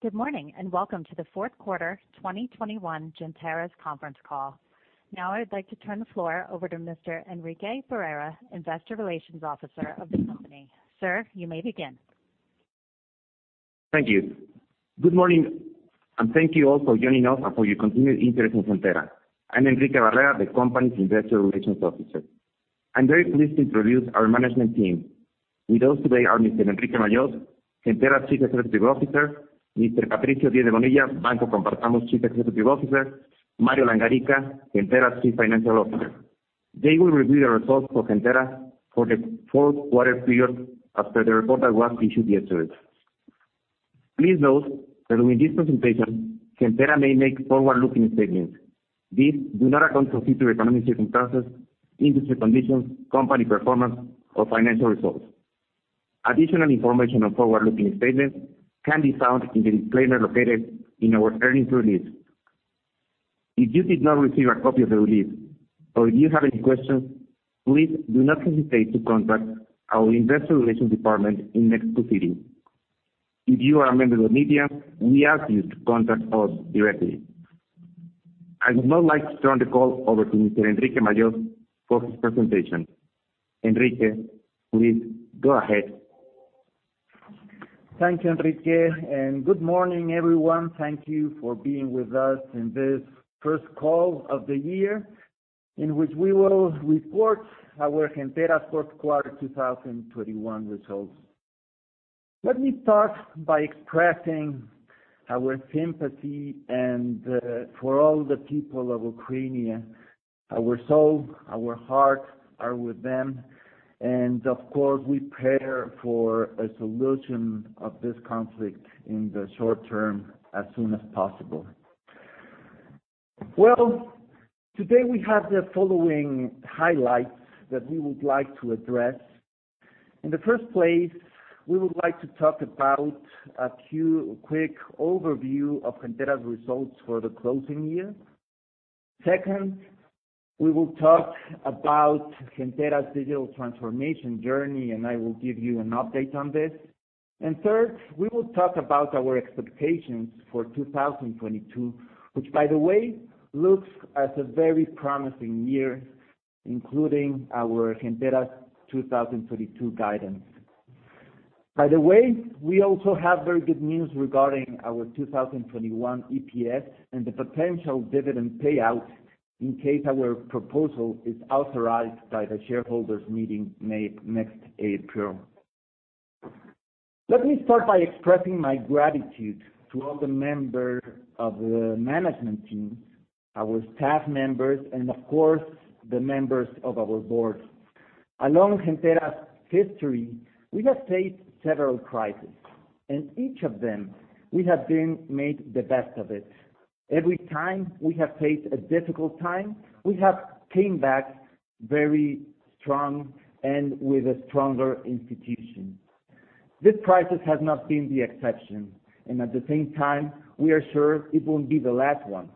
Good morning, and welcome to the Fourth Quarter 2021 Gentera's Conference Call. Now I'd like to turn the floor over to Mr. Enrique Barrera, Investor Relations Officer of the company. Sir, you may begin. Thank you. Good morning, and thank you all for joining us and for your continued interest in Gentera. I'm Enrique Barrera, the company's Investor Relations Officer. I'm very pleased to introduce our management team. With us today are Mr. Enrique Majós, Gentera Chief Executive Officer, Mr. Patricio Diez de Bonilla, Banco Compartamos Chief Executive Officer, Mario Langarica, Gentera Chief Financial Officer. They will review the results for Gentera for the fourth quarter period after the report that was issued yesterday. Please note that during this presentation, Gentera may make forward-looking statements. These do not account for future economic circumstances, industry conditions, company performance, or financial results. Additional information on forward-looking statements can be found in the disclaimer located in our earnings release. If you did not receive a copy of the release or if you have any questions, please do not hesitate to contact our investor relations department in Mexico City. If you are a member of media, we ask you to contact us directly. I would now like to turn the call over to Mr. Enrique Majós for his presentation. Enrique, please go ahead. Thank you, Enrique, and good morning, everyone. Thank you for being with us in this first call of the year, in which we will report our Gentera's fourth quarter 2021 results. Let me start by expressing our sympathy and for all the people of Ukraine. Our soul, our heart are with them. Of course, we pray for a solution of this conflict in the short term as soon as possible. Well, today we have the following highlights that we would like to address. In the first place, we would like to talk about a quick overview of Gentera's results for the closing year. Second, we will talk about Gentera's digital transformation journey, and I will give you an update on this. Third, we will talk about our expectations for 2022, which, by the way, looks like a very promising year, including our Gentera 2022 guidance. By the way, we also have very good news regarding our 2021 EPS and the potential dividend payout in case our proposal is authorized by the shareholders meeting next April. Let me start by expressing my gratitude to all the members of the management team, our staff members, and of course, the members of our board. Along Gentera's history, we have faced several crises, and each of them, we have made the best of it. Every time we have faced a difficult time, we have come back very strong and with a stronger institution. This crisis has not been the exception, and at the same time, we are sure it won't be the last one.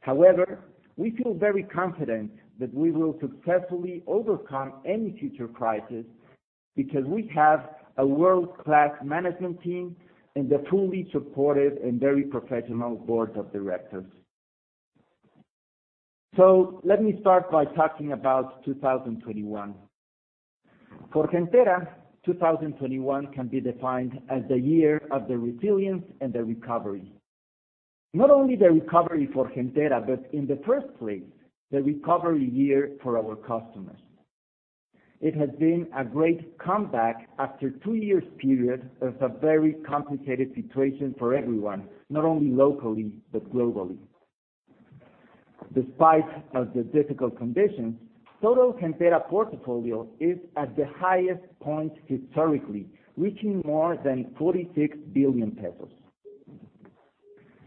However, we feel very confident that we will successfully overcome any future crisis because we have a world-class management team and a fully supported and very professional board of directors. Let me start by talking about 2021. For Gentera, 2021 can be defined as the year of the resilience and the recovery. Not only the recovery for Gentera, but in the first place, the recovery year for our customers. It has been a great comeback after two years period of a very complicated situation for everyone, not only locally, but globally. Despite of the difficult conditions, total Gentera portfolio is at the highest point historically, reaching more than 46 billion pesos.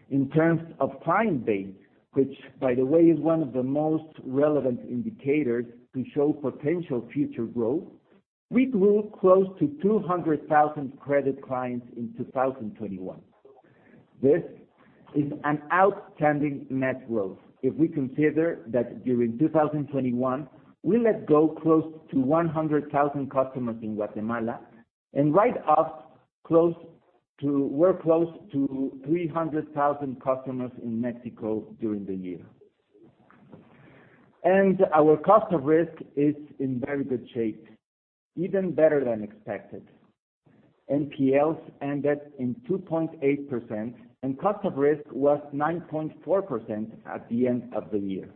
In terms of client base, which by the way is one of the most relevant indicators to show potential future growth, we grew close to 200,000 credit clients in 2021. This is an outstanding net growth if we consider that during 2021, we let go close to 100,000 customers in Guatemala and write off close to 300,000 customers in Mexico during the year. Our cost of risk is in very good shape, even better than expected. NPLs ended in 2.8%, and cost of risk was 9.4% at the end of the year.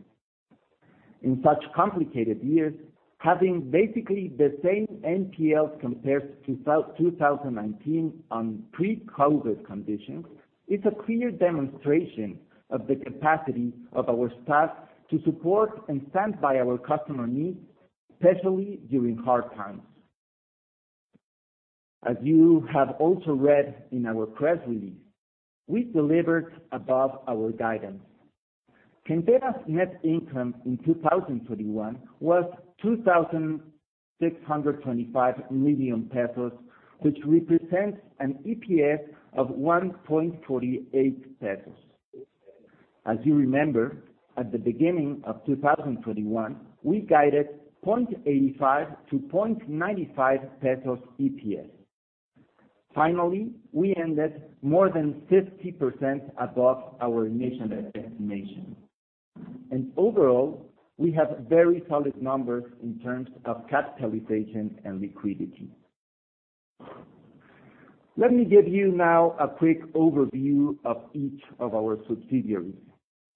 In such complicated years, having basically the same NPLs compared to 2019 on pre-COVID conditions is a clear demonstration of the capacity of our staff to support and stand by our customer needs, especially during hard times. As you have also read in our press release, we delivered above our guidance. Gentera's net income in 2021 was 2,625 million pesos, which represents an EPS of 1.48 pesos. As you remember, at the beginning of 2021, we guided 0.85-0.95 pesos EPS. Finally, we ended more than 50% above our initial destination. Overall, we have very solid numbers in terms of capitalization and liquidity. Let me give you now a quick overview of each of our subsidiaries,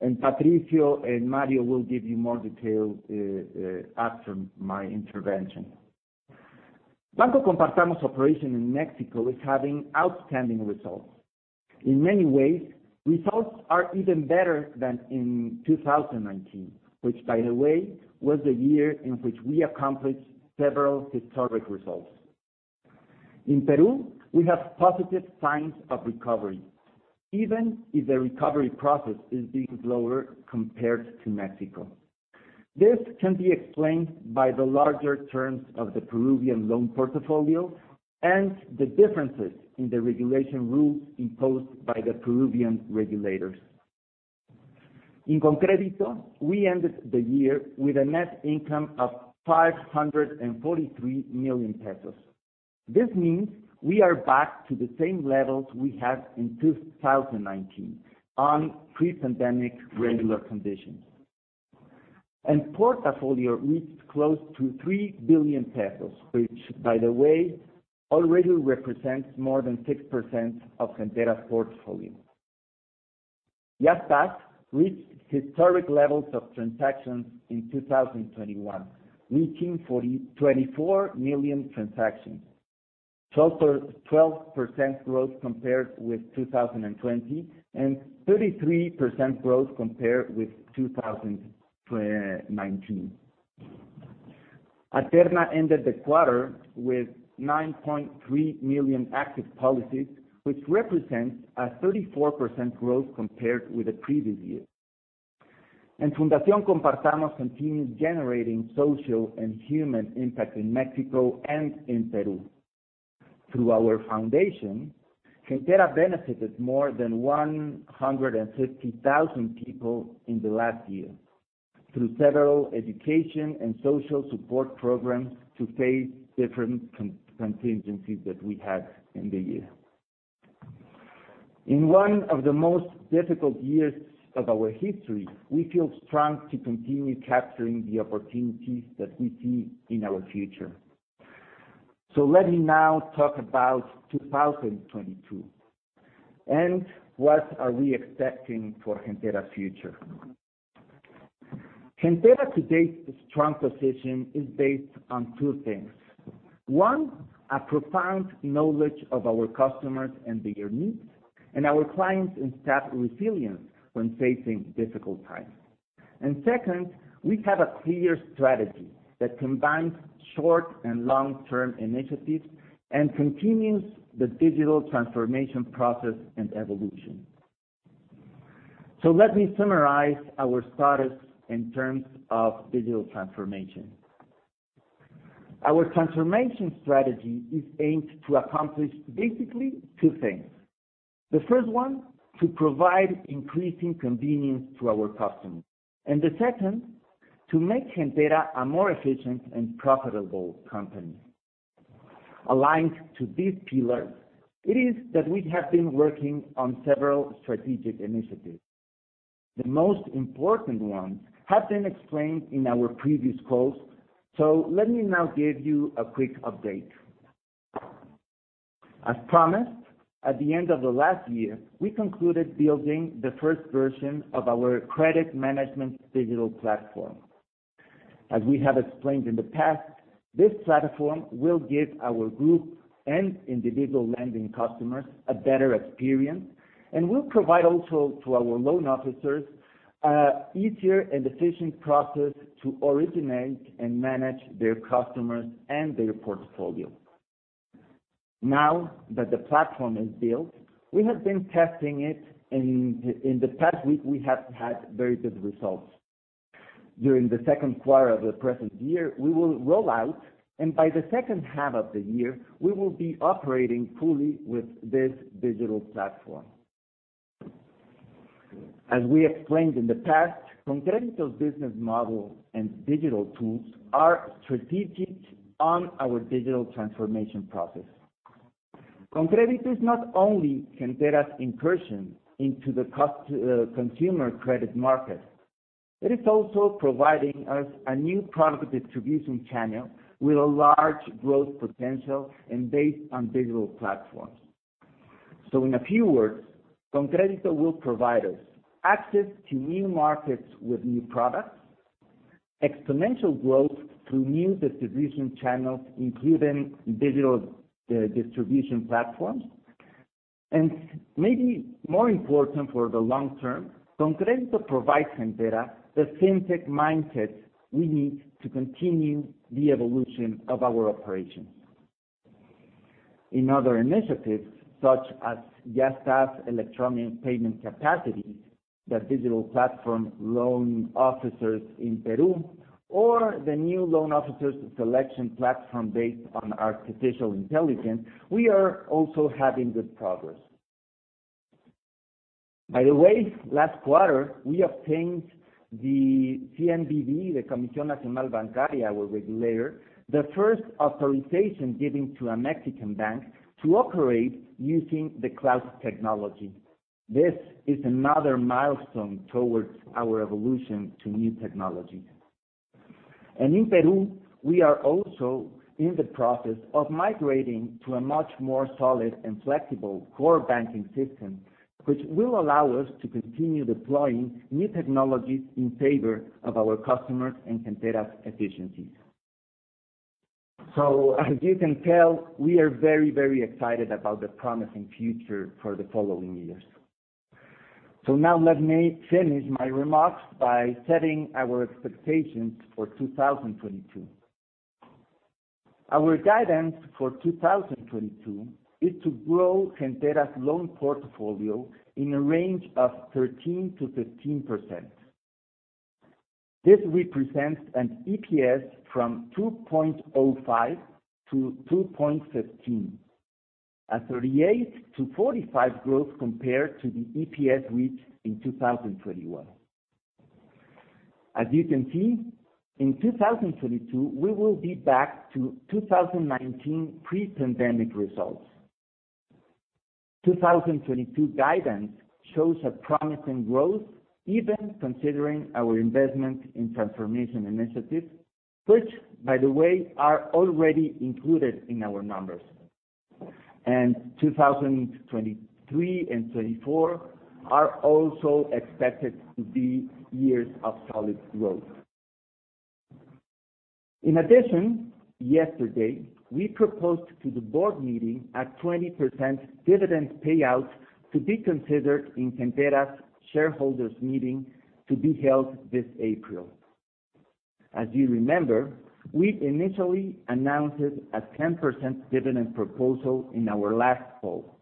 and Patricio and Mario will give you more detail after my intervention. Banco Compartamos operation in Mexico is having outstanding results. In many ways, results are even better than in 2019, which by the way, was the year in which we accomplished several historic results. In Peru, we have positive signs of recovery, even if the recovery process is a bit slower compared to Mexico. This can be explained by the larger terms of the Peruvian loan portfolio and the differences in the regulation rules imposed by the Peruvian regulators. In ConCrédito, we ended the year with a net income of 543 million pesos. This means we are back to the same levels we had in 2019 on pre-pandemic regular conditions. Portfolio reached close to 3 billion pesos, which by the way, already represents more than 6% of Gentera's portfolio. Yastás reached historic levels of transactions in 2021, reaching 24 million transactions. 12% growth compared with 2020, and 33% growth compared with 2019. Aterna ended the quarter with 9.3 million active policies, which represents a 34% growth compared with the previous year. Fundación Compartamos continues generating social and human impact in Mexico and in Peru. Through our foundation, Gentera benefited more than 150,000 people in the last year through several education and social support programs to face different contingencies that we had in the year. In one of the most difficult years of our history, we feel strong to continue capturing the opportunities that we see in our future. Let me now talk about 2022 and what are we expecting for Gentera's future. Gentera today's strong position is based on two things. One, a profound knowledge of our customers and their needs, and our clients and staff resilience when facing difficult times. Second, we have a clear strategy that combines short and long-term initiatives and continues the digital transformation process and evolution. Let me summarize our status in terms of digital transformation. Our transformation strategy is aimed to accomplish basically two things. The first one, to provide increasing convenience to our customers. And the second, to make Gentera a more efficient and profitable company. Aligned to these pillars, it is that we have been working on several strategic initiatives. The most important ones have been explained in our previous calls. Let me now give you a quick update. As promised, at the end of the last year, we concluded building the first version of our credit management digital platform. As we have explained in the past, this platform will give our group and individual lending customers a better experience and will provide also to our loan officers a easier and efficient process to originate and manage their customers and their portfolio. Now that the platform is built, we have been testing it, and in the past week, we have had very good results. During the second quarter of the present year, we will roll out, and by the second half of the year, we will be operating fully with this digital platform. As we explained in the past, ConCrédito business model and digital tools are strategic on our digital transformation process. ConCrédito is not only Gentera's incursion into the consumer credit market, it is also providing us a new product distribution channel with a large growth potential and based on digital platforms. In a few words, ConCrédito will provide us access to new markets with new products, exponential growth through new distribution channels, including digital distribution platforms, and maybe more important for the long term, ConCrédito provides Gentera the FinTech mindset we need to continue the evolution of our operations. In other initiatives, such as Yastás' electronic payment capacity, the digital platform loan officers in Peru, or the new loan officers selection platform based on artificial intelligence, we are also having good progress. By the way, last quarter, we obtained the CNBV, the Comisión Nacional Bancaria, our regulator, the first authorization given to a Mexican bank to operate using the cloud technology. This is another milestone towards our evolution to new technology. In Peru, we are also in the process of migrating to a much more solid and flexible core banking system, which will allow us to continue deploying new technologies in favor of our customers and Gentera's efficiencies. As you can tell, we are very, very excited about the promising future for the following years. Now let me finish my remarks by setting our expectations for 2022. Our guidance for 2022 is to grow Gentera's loan portfolio in a range of 13%-15%. This represents an EPS from 2.05 to 2.15. A 38%-45% growth compared to the EPS reached in 2021. As you can see, in 2022, we will be back to 2019 pre-pandemic results. 2022 guidance shows a promising growth, even considering our investment in transformation initiatives, which, by the way, are already included in our numbers. 2023 and 2024 are also expected to be years of solid growth. In addition, yesterday, we proposed to the board meeting a 20% dividend payout to be considered in Gentera's shareholders meeting to be held this April. As you remember, we initially announced a 10% dividend proposal in our last call.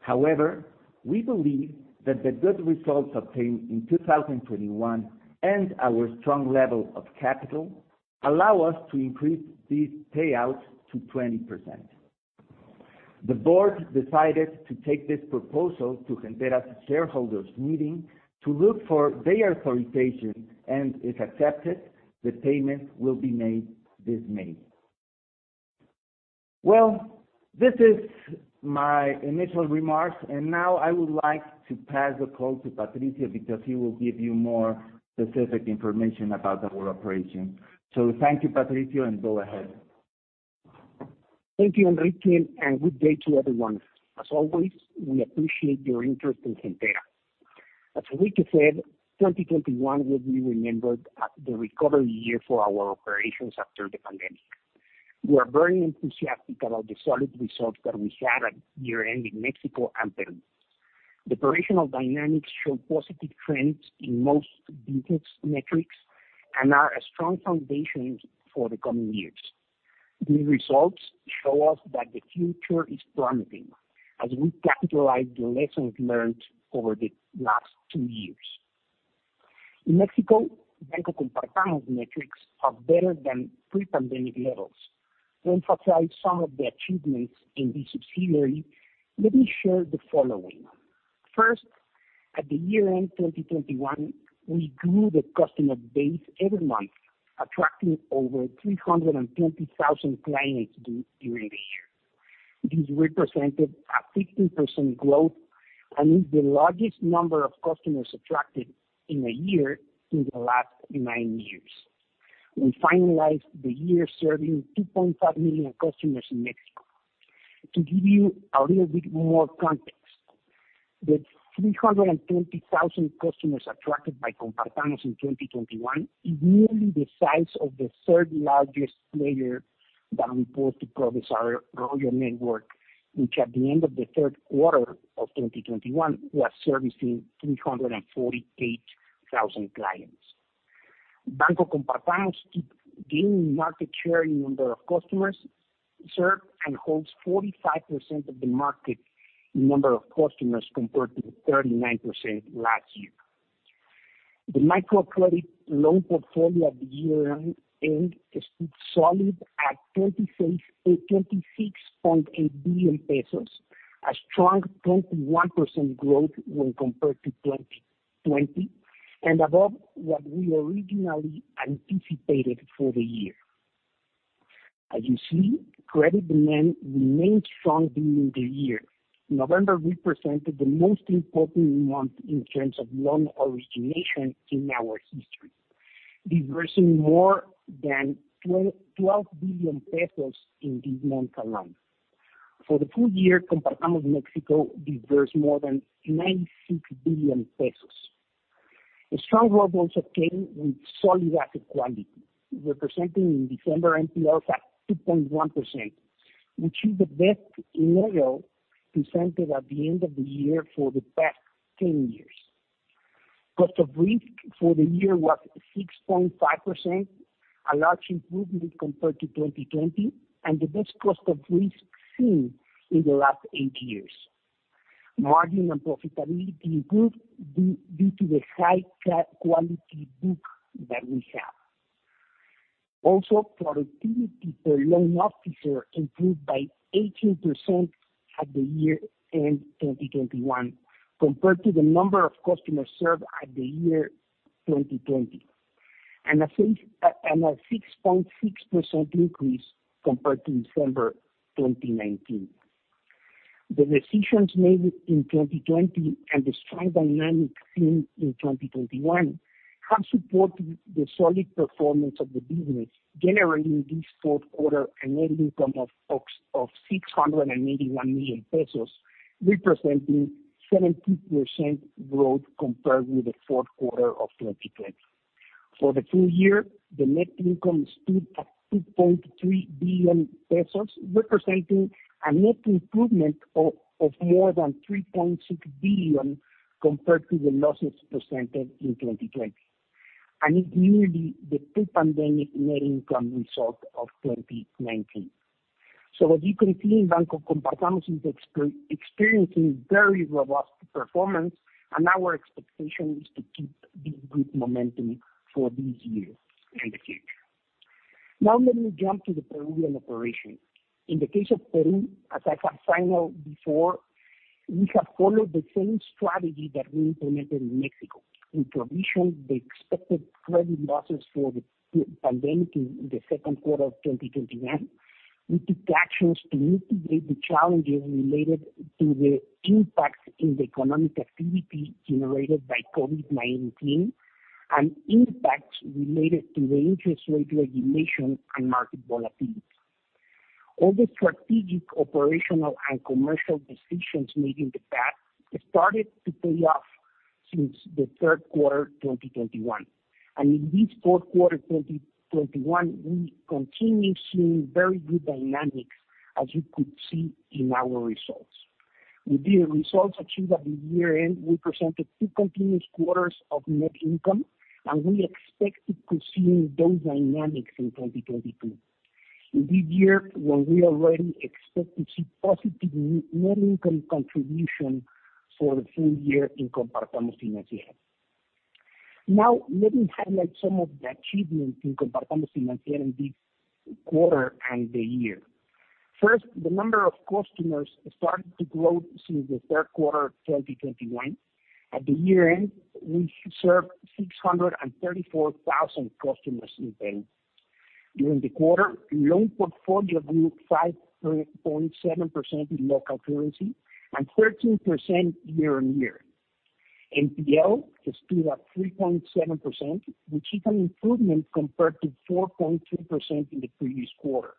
However, we believe that the good results obtained in 2021 and our strong level of capital allow us to increase these payouts to 20%. The board decided to take this proposal to Gentera's shareholders meeting to look for their authorization, and if accepted, the payment will be made this May. Well, this is my initial remarks, and now I would like to pass the call to Patricio because he will give you more specific information about our operation. Thank you, Patricio, and go ahead. Thank you, Enrique, and good day to everyone. As always, we appreciate your interest in Gentera. As Enrique said, 2021 will be remembered as the recovery year for our operations after the pandemic. We are very enthusiastic about the solid results that we had at year-end in Mexico and Peru. The operational dynamics show positive trends in most business metrics and are a strong foundation for the coming years. These results show us that the future is promising as we capitalize the lessons learned over the last two years. In Mexico, Banco Compartamos metrics are better than pre-pandemic levels. To emphasize some of the achievements in this subsidiary, let me share the following. First, at the year-end 2021, we grew the customer base every month, attracting over 320,000 clients during the year. This represented a 15% growth and is the largest number of customers attracted in a year in the last nine years. We finalized the year serving 2.5 million customers in Mexico. To give you a little bit more context, the 320,000 customers attracted by Compartamos in 2021 is nearly the size of the third-largest player that we report to ProDesarrollo network, which at the end of the third quarter of 2021 was servicing 348,000 clients. Banco Compartamos keeps gaining market share in number of customers served and holds 45% of the market number of customers compared to the 39% last year. The microcredit loan portfolio at year-end stood solid at 26.8 billion pesos, a strong 21% growth when compared to 2020, and above what we originally anticipated for the year. As you see, credit demand remained strong during the year. November represented the most important month in terms of loan origination in our history, dispersing more than 12 billion pesos in this month alone. For the full year, Compartamos Mexico dispersed more than 96 billion pesos. The strong growth also came with solid asset quality, representing in December NPLs at 2.1%, which is the best level presented at the end of the year for the past 10 years. Cost of risk for the year was 6.5%, a large improvement compared to 2020, and the best cost of risk seen in the last 8 years. Margin and profitability improved due to the high quality book that we have. Also, productivity per loan officer improved by 18% at year-end 2021, compared to the number of customers served at year 2020, and a 6.6% increase compared to December 2019. The decisions made in 2020 and the strong dynamics seen in 2021 have supported the solid performance of the business, generating this fourth quarter a net income of 681 million pesos, representing 70% growth compared with the fourth quarter of 2020. For the full year, the net income stood at 2.3 billion pesos, representing a net improvement of more than 3.6 billion compared to the losses presented in 2020. It's nearly the pre-pandemic net income result of 2019. As you can see, Banco Compartamos is experiencing very robust performance, and our expectation is to keep this good momentum for this year and the future. Now let me jump to the Peruvian operation. In the case of Peru, as I have signaled before, we have followed the same strategy that we implemented in Mexico. We provisioned the expected credit losses for the pandemic in the second quarter of 2021. We took actions to mitigate the challenges related to the impact in the economic activity generated by COVID-19 and impacts related to the interest rate regulation and market volatility. All the strategic, operational, and commercial decisions made in the past started to pay off since the third quarter, 2021. In this fourth quarter, 2021, we continue seeing very good dynamics, as you could see in our results. With the results achieved at the year-end, we presented two continuous quarters of net income, and we expect to continue those dynamics in 2022. In this year, when we already expect to see positive net income contribution for the full year in Compartamos Financiera. Now, let me highlight some of the achievements in Compartamos Financiera in this quarter and the year. First, the number of customers started to grow since the third quarter of 2021. At the year-end, we served 634,000 customers in Peru. During the quarter, loan portfolio grew 5.7% in local currency and 13% year-on-year. NPL stood at 3.7%, which is an improvement compared to 4.2% in the previous quarter.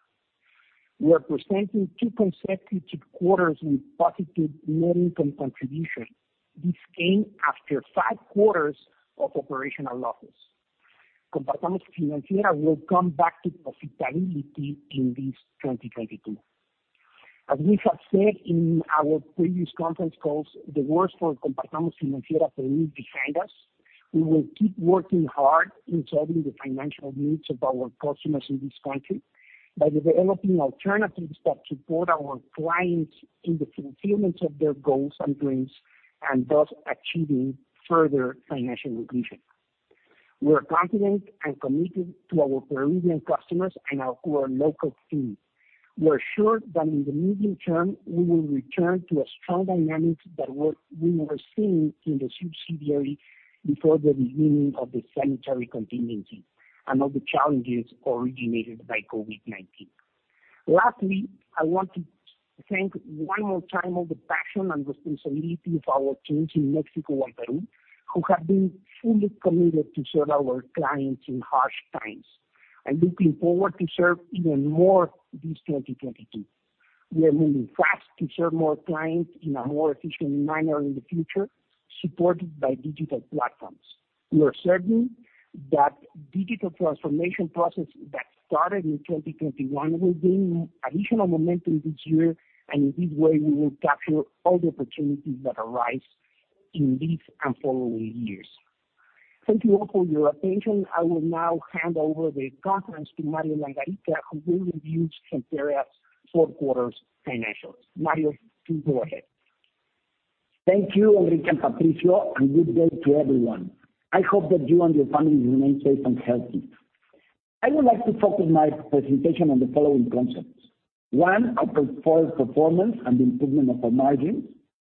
We are presenting two consecutive quarters with positive net income contribution. This came after five quarters of operational losses. Compartamos Financiera will come back to profitability in this 2022. As we have said in our previous conference calls, the worst for Compartamos Financiera Peru is behind us. We will keep working hard in serving the financial needs of our customers in this country by developing alternatives that support our clients in the fulfillment of their goals and dreams, and thus achieving further financial inclusion. We are confident and committed to our Peruvian customers and our local team. We are sure that in the medium term, we will return to a strong dynamic that we were seeing in the subsidiary before the beginning of the sanitary contingency and all the challenges originated by COVID-19. Lastly, I want to thank one more time all the passion and responsibility of our teams in Mexico and Peru, who have been fully committed to serve our clients in harsh times. I'm looking forward to serve even more this 2022. We are moving fast to serve more clients in a more efficient manner in the future, supported by digital platforms. We are certain that digital transformation process that started in 2021 will gain additional momentum this year, and in this way, we will capture all the opportunities that arise in this and following years. Thank you all for your attention. I will now hand over the conference to Mario Langarica, who will review Gentera's fourth quarter's financials. Mario, please go ahead. Thank you, Enrique and Patricio, and good day to everyone. I hope that you and your families remain safe and healthy. I would like to focus my presentation on the following concepts. One, our portfolio performance and the improvement of our margins.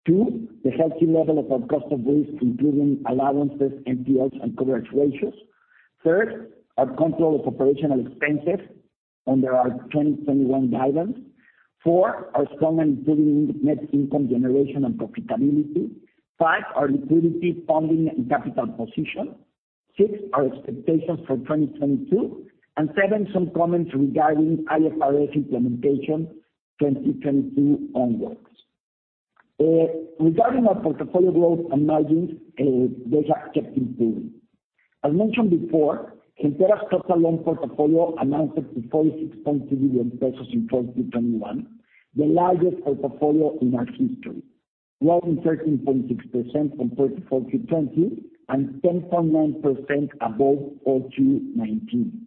Two, the healthy level of our cost of risk, including allowances, NPLs, and coverage ratios. Third, our control of operational expenses under our 2021 guidance. Four, our strong and improving net income generation and profitability. Five, our liquidity funding and capital position. Six, our expectations for 2022. Seven, some comments regarding IFRS implementation 2022 onwards. Regarding our portfolio growth and margins, they have kept improving. As mentioned before, Gentera's total loan portfolio amounted to 46.2 billion pesos in 2021, the largest portfolio in our history, growing 13.6% from 2020 and 10.9% above 2019.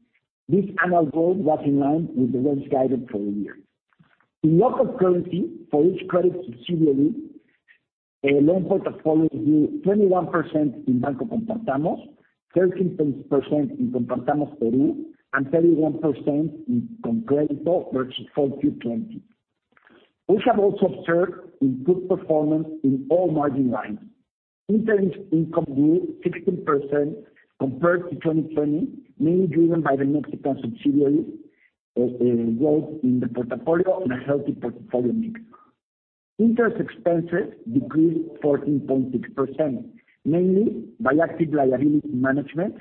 This annual growth was in line with the range guided for the year. In local currency for each credit subsidiary, a loan portfolio grew 21% in Banco Compartamos, 13% in Compartamos Peru, and 31% in ConCrédito versus 4Q 2020. We have also observed improved performance in all margin lines. Interest income grew 16% compared to 2020, mainly driven by the Mexican subsidiary, growth in the portfolio and a healthy portfolio mix. Interest expenses decreased 14.6%, mainly by active liability management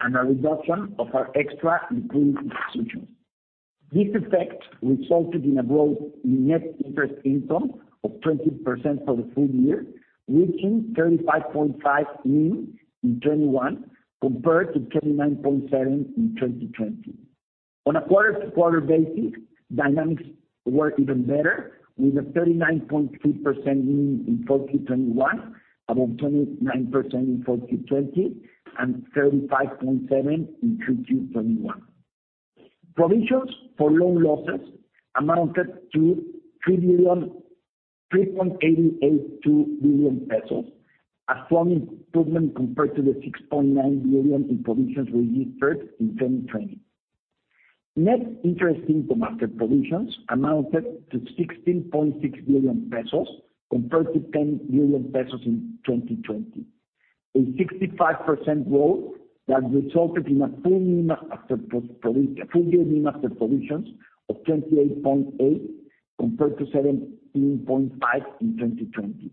and a reduction of our extra liquidity positions. This effect resulted in a growth in net interest income of 20% for the full year, reaching 35.5 billion in 2021 compared to 29.7 billion in 2020. On a quarter-to-quarter basis, dynamics were even better, with a 39.3% gain in 4Q 2021 above 29% in 4Q 2020 and 35.7% in 3Q 2021. Provisions for loan losses amounted to 3.882 billion pesos, a strong improvement compared to the 6.9 billion in provisions we registered in 2020. Net interest income after provisions amounted to 16.6 billion pesos compared to 10 billion pesos in 2020. A 65% growth that resulted in a full year NIM after provisions of 28.8% compared to 17.5% in 2020.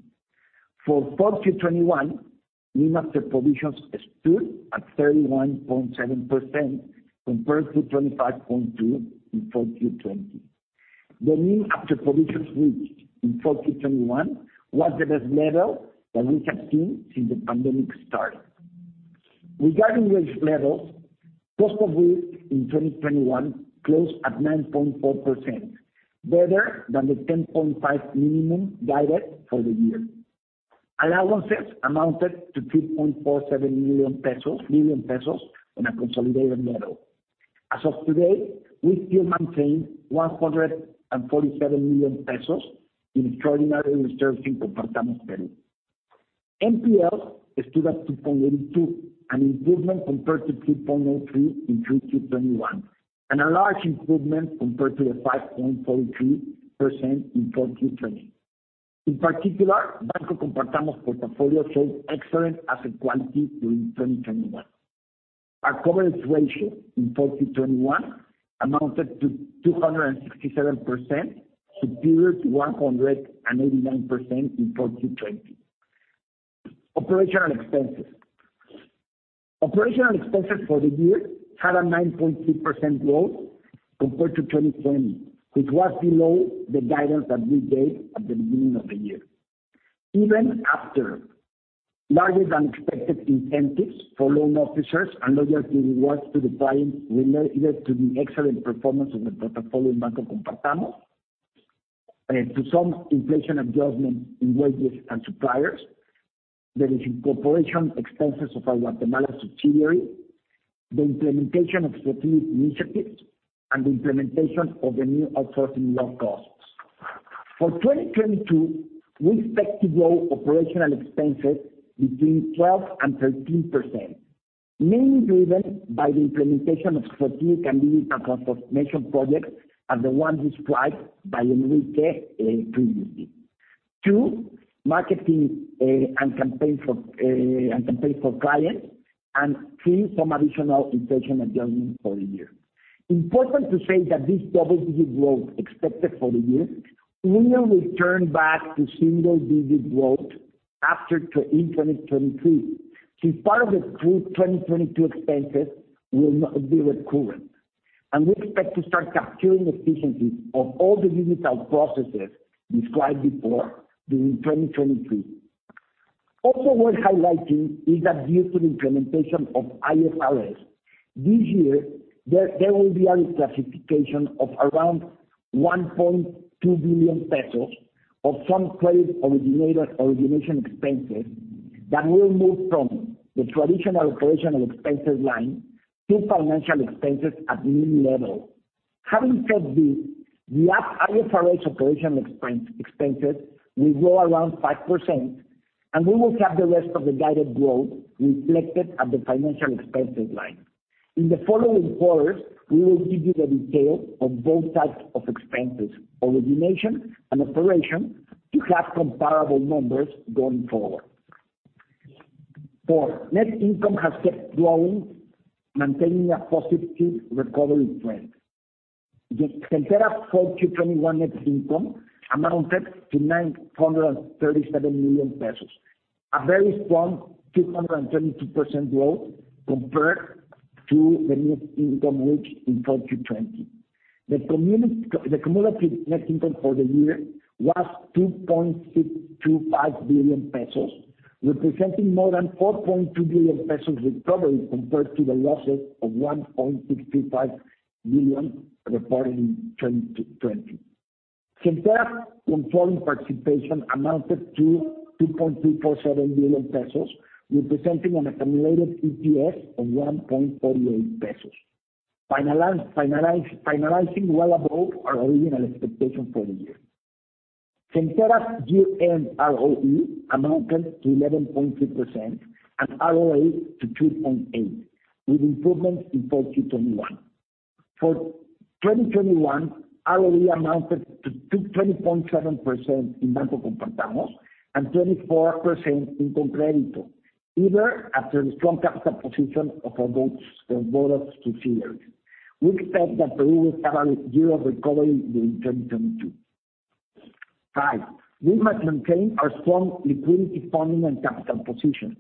For 4Q 2021, NIM after provisions stood at 31.7% compared to 25.2% in 4Q 2020. The NIM after provisions reached in 4Q 2021 was the best level that we have seen since the pandemic started. Regarding risk levels, cost of risk in 2021 closed at 9.4%, better than the 10.5% minimum guided for the year. Allowances amounted to 3.47 million pesos on a consolidated level. As of today, we still maintain 147 million pesos in extraordinary reserves in Compartamos Peru. NPLs stood at 2.82%, an improvement compared to 2.83% in 3Q 2021, and a large improvement compared to the 5.43% in 4Q 2020. In particular, Banco Compartamos portfolio showed excellent asset quality during 2021. Our coverage ratio in 4Q 2021 amounted to 267%, superior to 189% in 4Q 2020. Operating expenses for the year had a 9.2% growth compared to 2020, which was below the guidance that we gave at the beginning of the year. Even after larger-than-expected incentives for loan officers and loyalty rewards to the clients related to the excellent performance of the portfolio in Banco Compartamos, to some inflation adjustment in wages and suppliers, there is incorporation expenses of our Guatemala subsidiary, the implementation of strategic initiatives, and the implementation of the new outsourcing law costs. For 2022, we expect to grow operating expenses between 12% and 13%, mainly driven by the implementation of strategic and digital transformation projects as the one described by Enrique, previously. Two, marketing, and campaign for clients. Three, some additional inflation adjustment for the year. Important to say that this double-digit growth expected for the year will return back to single-digit growth after in 2023. Since part of the 2022 expenses will not be recurrent, and we expect to start capturing efficiencies of all the digital processes described before during 2023. Also worth highlighting is that due to the implementation of IFRS, this year there will be a reclassification of around 1.2 billion pesos of some credit originator origination expenses that will move from the traditional operational expenses line to financial expenses at new level. Having said this, the IFRS operational expenses will grow around 5%, and we will have the rest of the guided growth reflected at the financial expenses line. In the following quarters, we will give you the detail of both types of expenses, origination and operation, to have comparable numbers going forward. Four, net income has kept growing, maintaining a positive recovery trend. Gentera 4Q 2021 net income amounted to 937 million pesos, a very strong 232% growth compared to the net income reached in 4Q 2020. The cumulative net income for the year was 2.625 billion pesos, representing more than 4.2 billion pesos recovery compared to the losses of 1.625 billion reported in 2020. Gentera in full participation amounted to 2.347 billion pesos, representing an accumulated EPS of 1.48 pesos. Finalized well above our original expectation for the year. Gentera's year-end ROE amounted to 11.3% and ROA to 2.8%, with improvements in full 2021. For 2021, ROE amounted to 20.7% in Banco Compartamos and 34% in ConCrédito, even after the strong capital position of both subsidiaries. We expect that Peru will have a year of recovery during 2022. 5. We must maintain our strong liquidity funding and capital positions.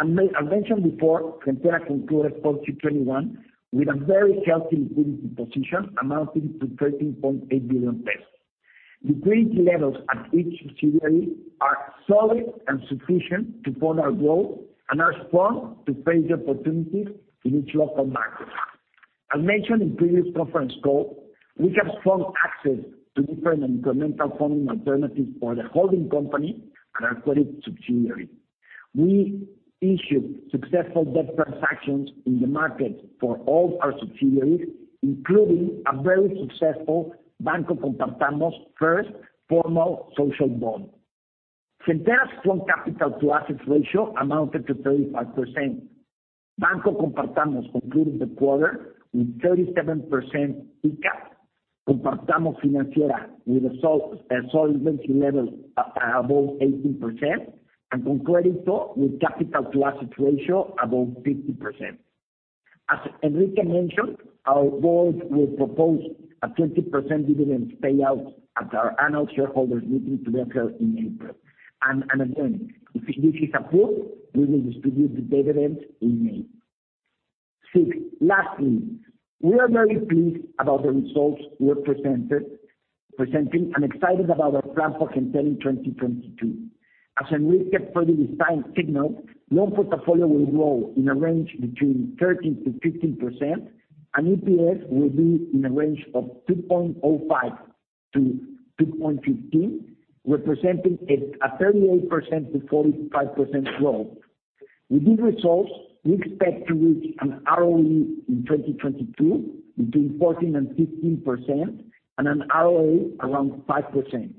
As mentioned before, Gentera concluded full 2021 with a very healthy liquidity position amounting to 13.8 billion pesos. Liquidity levels at each subsidiary are solid and sufficient to fund our growth and are strong to face the opportunities in each local market. As mentioned in previous conference call, we have strong access to different incremental funding alternatives for the holding company and our credit subsidiary. We issued successful debt transactions in the market for all our subsidiaries, including a very successful Banco Compartamos first formal social bond. Gentera's strong capital-to-assets ratio amounted to 35%. Banco Compartamos concluded the quarter with 37% ICAP, Compartamos Financiera with a solvency level above 18%, and ConCrédito with capital-to-assets ratio above 50%. As Enrique mentioned, our board will propose a 20% dividend payout at our annual shareholders meeting to be held in April. Again, if this is approved, we will distribute the dividends in May. Six, lastly, we are very pleased about the results we have presented and excited about our plan for Gentera in 2022. As Enrique previously signaled, loan portfolio will grow in a range between 13%-15%, and EPS will be in a range of 2.05-2.15, representing a 38%-45% growth. With these results, we expect to reach an ROE in 2022 between 14%-15% and an ROA around 5%.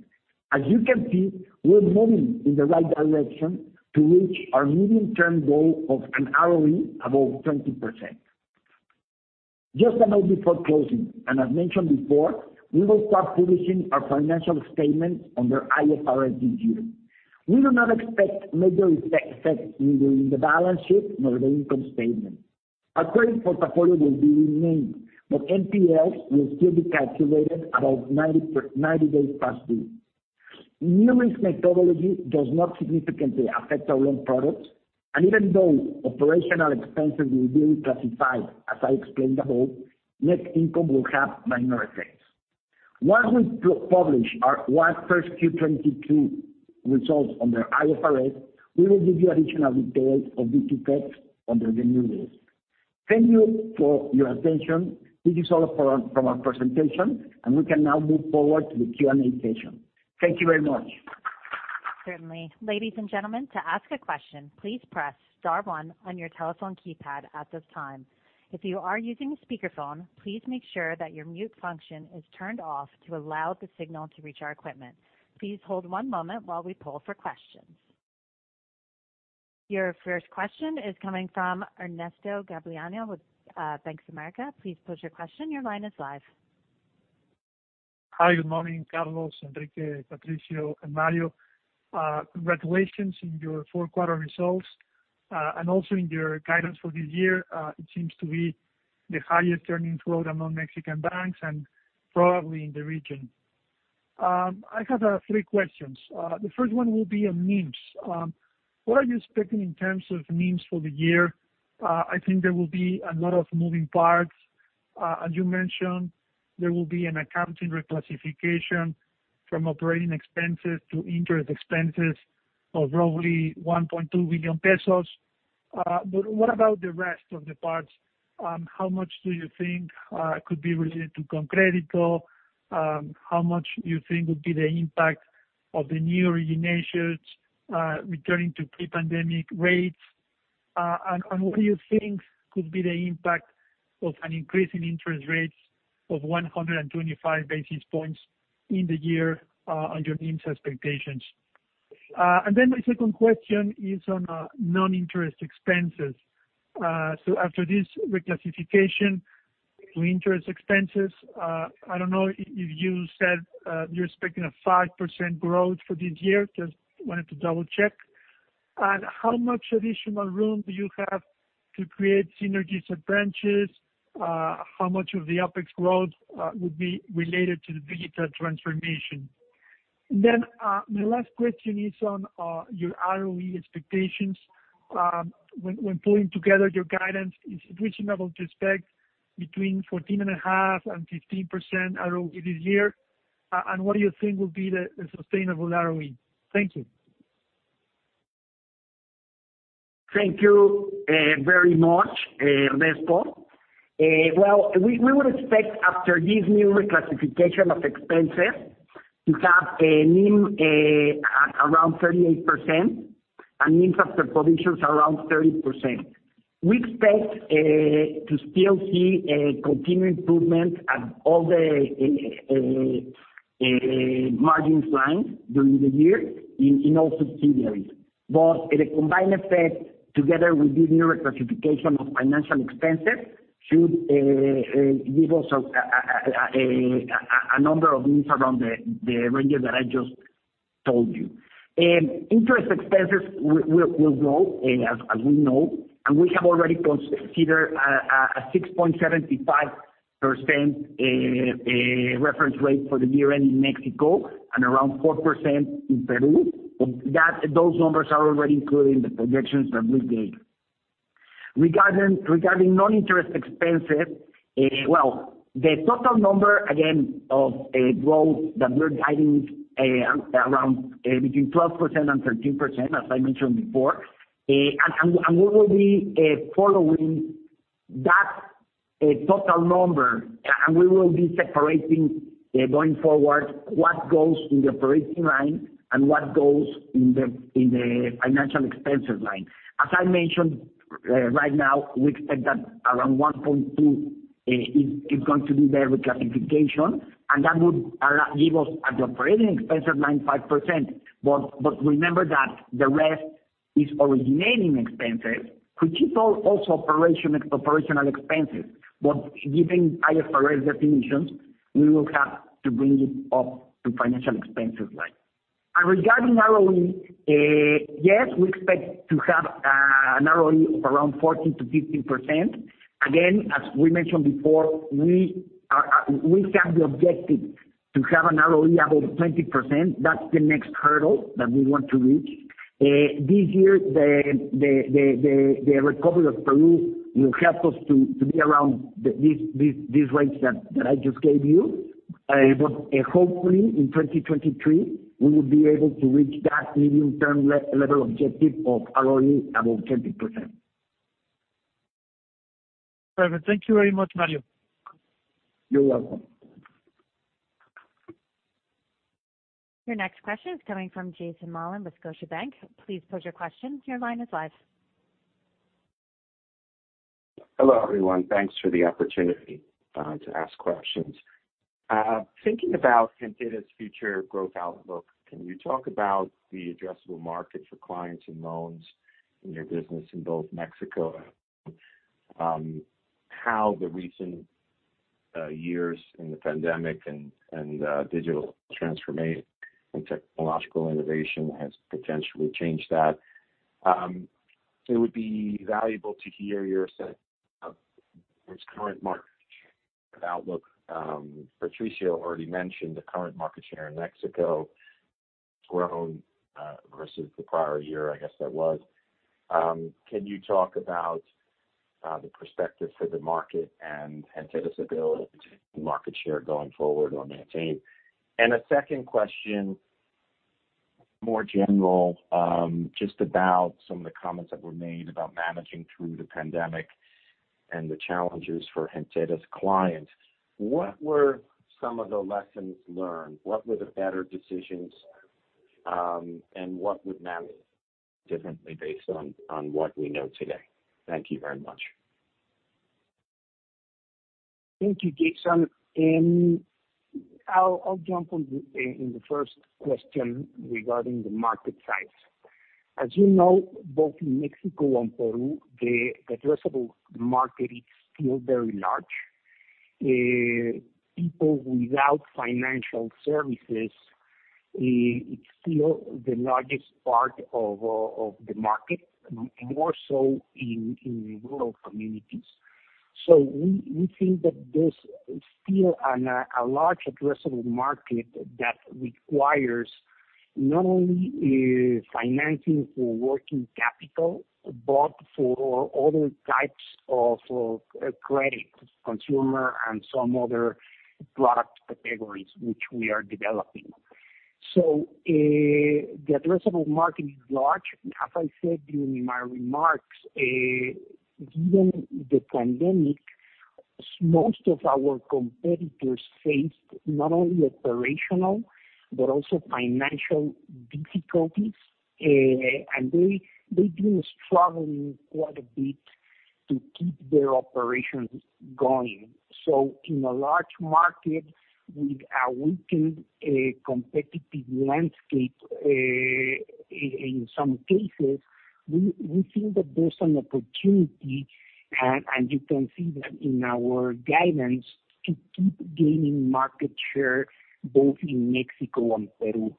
As you can see, we're moving in the right direction to reach our medium-term goal of an ROE above 20%. Just a note before closing, as mentioned before, we will start publishing our financial statements under IFRS this year. We do not expect major effects neither in the balance sheet nor the income statement. Our credit portfolio will remain, but NPLs will still be calculated above 90 days past due. New risk methodology does not significantly affect our loan products, and even though operational expenses will be reclassified as I explained above, net income will have minor effects. Once we publish our first Q22 results under IFRS, we will give you additional details of these effects under the new rules. Thank you for your attention. This is all from our presentation, and we can now move forward to the Q&A session. Thank you very much. Certainly. Ladies and gentlemen, to ask a question, please press star one on your telephone keypad at this time. If you are using a speakerphone, please make sure that your mute function is turned off to allow the signal to reach our equipment. Please hold one moment while we poll for questions. Your first question is coming from Ernesto Gabilondo with Bank of America. Please pose your question. Your line is live. Hi. Good morning, Carlos, Enrique, Patricio, and Mario. Congratulations on your fourth quarter results, and also in your guidance for this year. It seems to be the highest earnings growth among Mexican banks and probably in the region. I have three questions. The first one will be on NIMs. What are you expecting in terms of NIMs for the year? I think there will be a lot of moving parts. As you mentioned, there will be an accounting reclassification from operating expenses to interest expenses of roughly 1.2 billion pesos. But what about the rest of the parts? How much do you think could be related to ConCrédito? How much do you think would be the impact of the new originations returning to pre-pandemic rates? What do you think could be the impact of an increase in interest rates of 125 basis points in the year on your NIMs expectations? My second question is on non-interest expenses. After this reclassification to interest expenses, I don't know if you said you're expecting a 5% growth for this year. Just wanted to double-check. How much additional room do you have to create synergies at branches? How much of the OpEx growth would be related to the digital transformation? My last question is on your ROE expectations. When pulling together your guidance, is it reasonable to expect between 14.5% and 15% ROE this year? What do you think will be the sustainable ROE? Thank you. Thank you, very much, Ernesto. Well, we would expect after this new reclassification of expenses to have a NIM at around 38%. Means after provisions around 30%. We expect to still see a continued improvement at all the margins line during the year in all subsidiaries. The combined effect, together with this new reclassification of financial expenses, should give us a number of means around the range that I just told you. Interest expenses will grow, as we know, and we have already considered a 6.75% reference rate for the year-end in Mexico and around 4% in Peru. Those numbers are already included in the projections that we gave. Regarding non-interest expenses, well, the total number, again, of growth that we're guiding around between 12% and 13%, as I mentioned before. We will be following that total number, and we will be separating going forward what goes in the operating line and what goes in the financial expenses line. As I mentioned, right now, we expect that around 1.2 is going to be the reclassification, and that would give us at the operating expense of 9.5%. But remember that the rest is originating expenses, which is also operational expenses. Given IFRS definitions, we will have to bring it up to financial expenses line. Regarding ROE, yes, we expect to have an ROE of around 14%-15%. Again, as we mentioned before, we have the objective to have an ROE above 20%. That's the next hurdle that we want to reach. This year, the recovery of Peru will help us to be around these rates that I just gave you. Hopefully, in 2023, we will be able to reach that medium-term level objective of ROE above 20%. Perfect. Thank you very much, Mario. You're welcome. Your next question is coming from Jason Mollin with Scotiabank. Please pose your question. Your line is live. Hello, everyone. Thanks for the opportunity to ask questions. Thinking about Gentera's future growth outlook, can you talk about the addressable market for clients and loans in your business in both Mexico? How the recent years in the pandemic and digital transformation and technological innovation has potentially changed that. It would be valuable to hear your sense of this current market outlook. Patricio already mentioned the current market share in Mexico grown versus the prior year, I guess that was. Can you talk about the perspective for the market and Gentera's ability to market share going forward or maintain? A second question, more general, just about some of the comments that were made about managing through the pandemic and the challenges for Gentera's clients. What were some of the lessons learned? What were the better decisions, and what would manage differently based on what we know today? Thank you very much. Thank you, Jason. I'll jump in on the first question regarding the market size. As you know, both in Mexico and Peru, the addressable market is still very large. People without financial services, it's still the largest part of the market, more so in rural communities. We think that there's still a large addressable market that requires not only financing for working capital, but for other types of credit, consumer and some other product categories which we are developing. The addressable market is large. As I said during my remarks, given the pandemic, most of our competitors faced not only operational, but also financial difficulties, and they've been struggling quite a bit to keep their operations going. In a large market with a weakened competitive landscape, in some cases, we feel that there's an opportunity, and you can see that in our guidance, to keep gaining market share both in Mexico and Peru.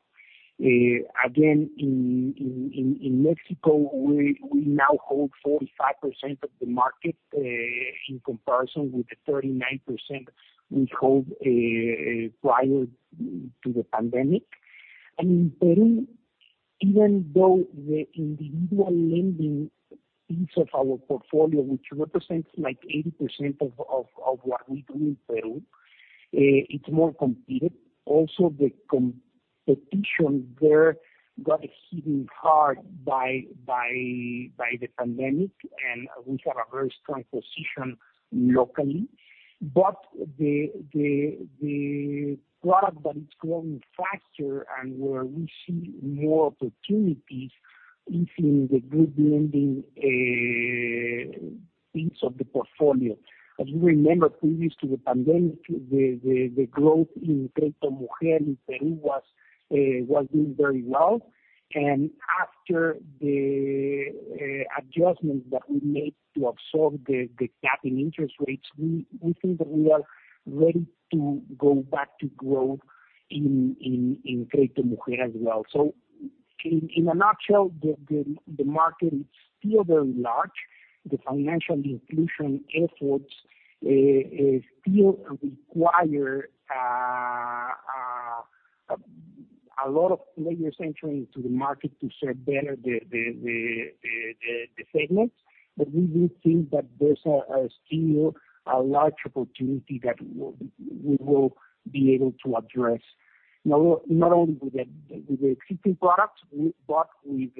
Again, in Mexico, we now hold 45% of the market, in comparison with the 39% we hold prior to the pandemic. In Peru, even though the individual lending piece of our portfolio, which represents like 80% of what we do in Peru, it's more competitive. Also, the competition there got hit hard by the pandemic, and we have a very strong position locally. But the product that is growing faster and where we see more opportunities. We've seen the group lending piece of the portfolio. As you remember, previous to the pandemic, the growth in Crédito Mujer in Peru was doing very well. After the adjustment that we made to absorb the cap in interest rates, we think that we are ready to go back to growth in Crédito Mujer as well. In a nutshell, the market is still very large. The financial inclusion efforts still require a lot of players entering to the market to serve better the segments. We do think that there's still a large opportunity that we will be able to address not only with the existing products, but with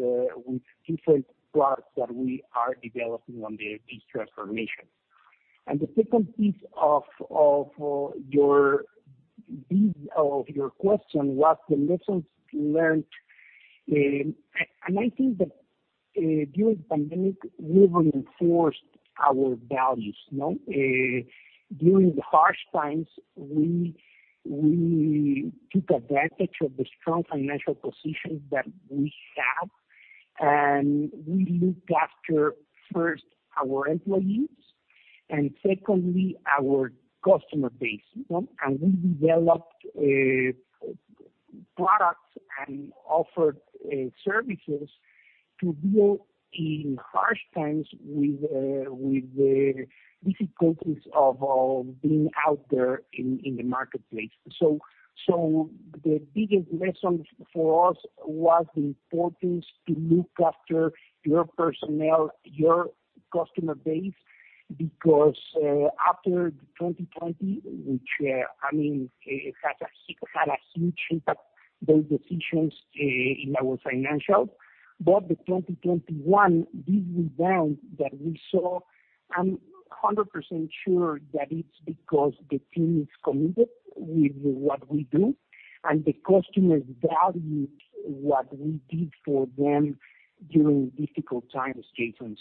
different products that we are developing on this transformation. The second piece of your question was the lessons learned. I think that during the pandemic, we've reinforced our values, you know? During the harsh times, we took advantage of the strong financial position that we have, and we looked after, first, our employees, and secondly, our customer base, you know? We developed products and offered services to deal in harsh times with the difficulties of being out there in the marketplace. The biggest lesson for us was the importance to look after your personnel, your customer base, because after 2020, which I mean, it had a huge impact, those decisions in our financials. The 2021 rebound that we saw, I'm 100% sure that it's because the team is committed with what we do, and the customers valued what we did for them during difficult times, Jason.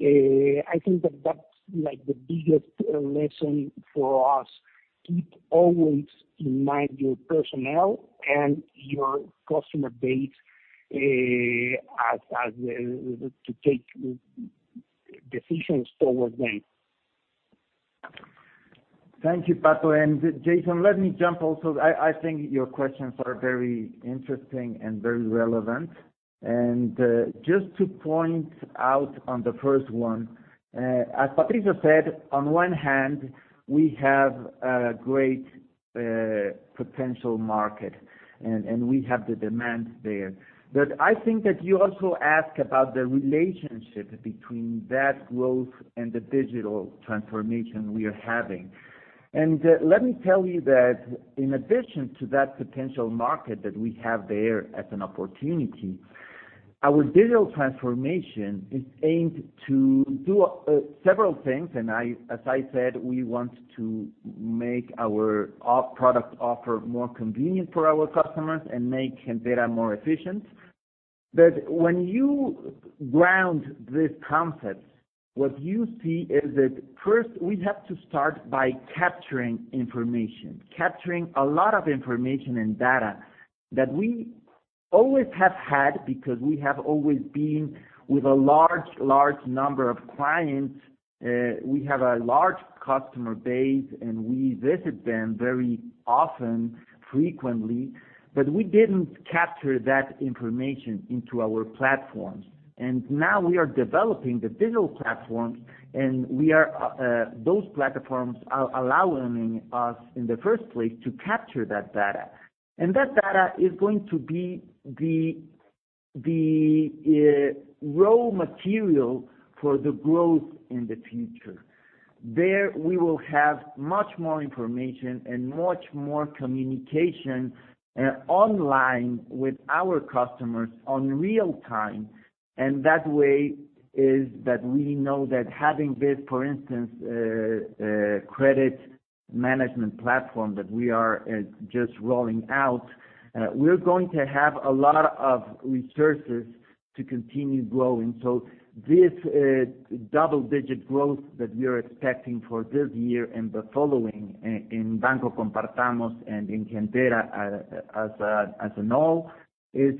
I think that that's, like, the biggest lesson for us. Keep always in mind your personnel and your customer base, as to take decisions toward them. Thank you, Patricio. Jason, let me jump also. I think your questions are very interesting and very relevant. Just to point out on the first one, as Patricio said, on one hand, we have a great potential market, and we have the demand there. I think that you also ask about the relationship between that growth and the digital transformation we are having. Let me tell you that in addition to that potential market that we have there as an opportunity, our digital transformation is aimed to do several things. As I said, we want to make our product offer more convenient for our customers and make Gentera more efficient. When you ground this concept, what you see is that first we have to start by capturing information, capturing a lot of information and data that we always have had because we have always been with a large number of clients. We have a large customer base, and we visit them very often, frequently. We didn't capture that information into our platforms. Now we are developing the digital platforms, and those platforms are allowing us in the first place to capture that data. That data is going to be the raw material for the growth in the future. There we will have much more information and much more communication online with our customers in real time. That way is that we know that having this, for instance, credit management platform that we are just rolling out, we're going to have a lot of resources to continue growing. This double-digit growth that we are expecting for this year and the following in Compartamos Banco and in Gentera as a whole is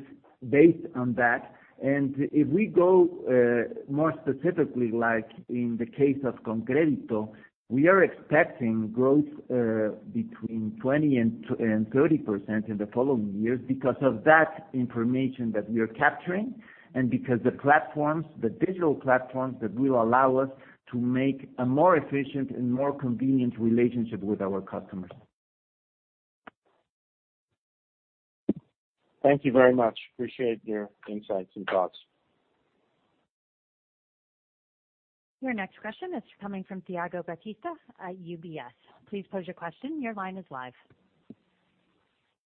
based on that. If we go more specifically, like in the case of ConCrédito, we are expecting growth between 20% and 30% in the following years because of that information that we are capturing and because the platforms, the digital platforms that will allow us to make a more efficient and more convenient relationship with our customers. Thank you very much. I appreciate your insights and thoughts. Your next question is coming from Thiago Batista at UBS. Please pose your question. Your line is live.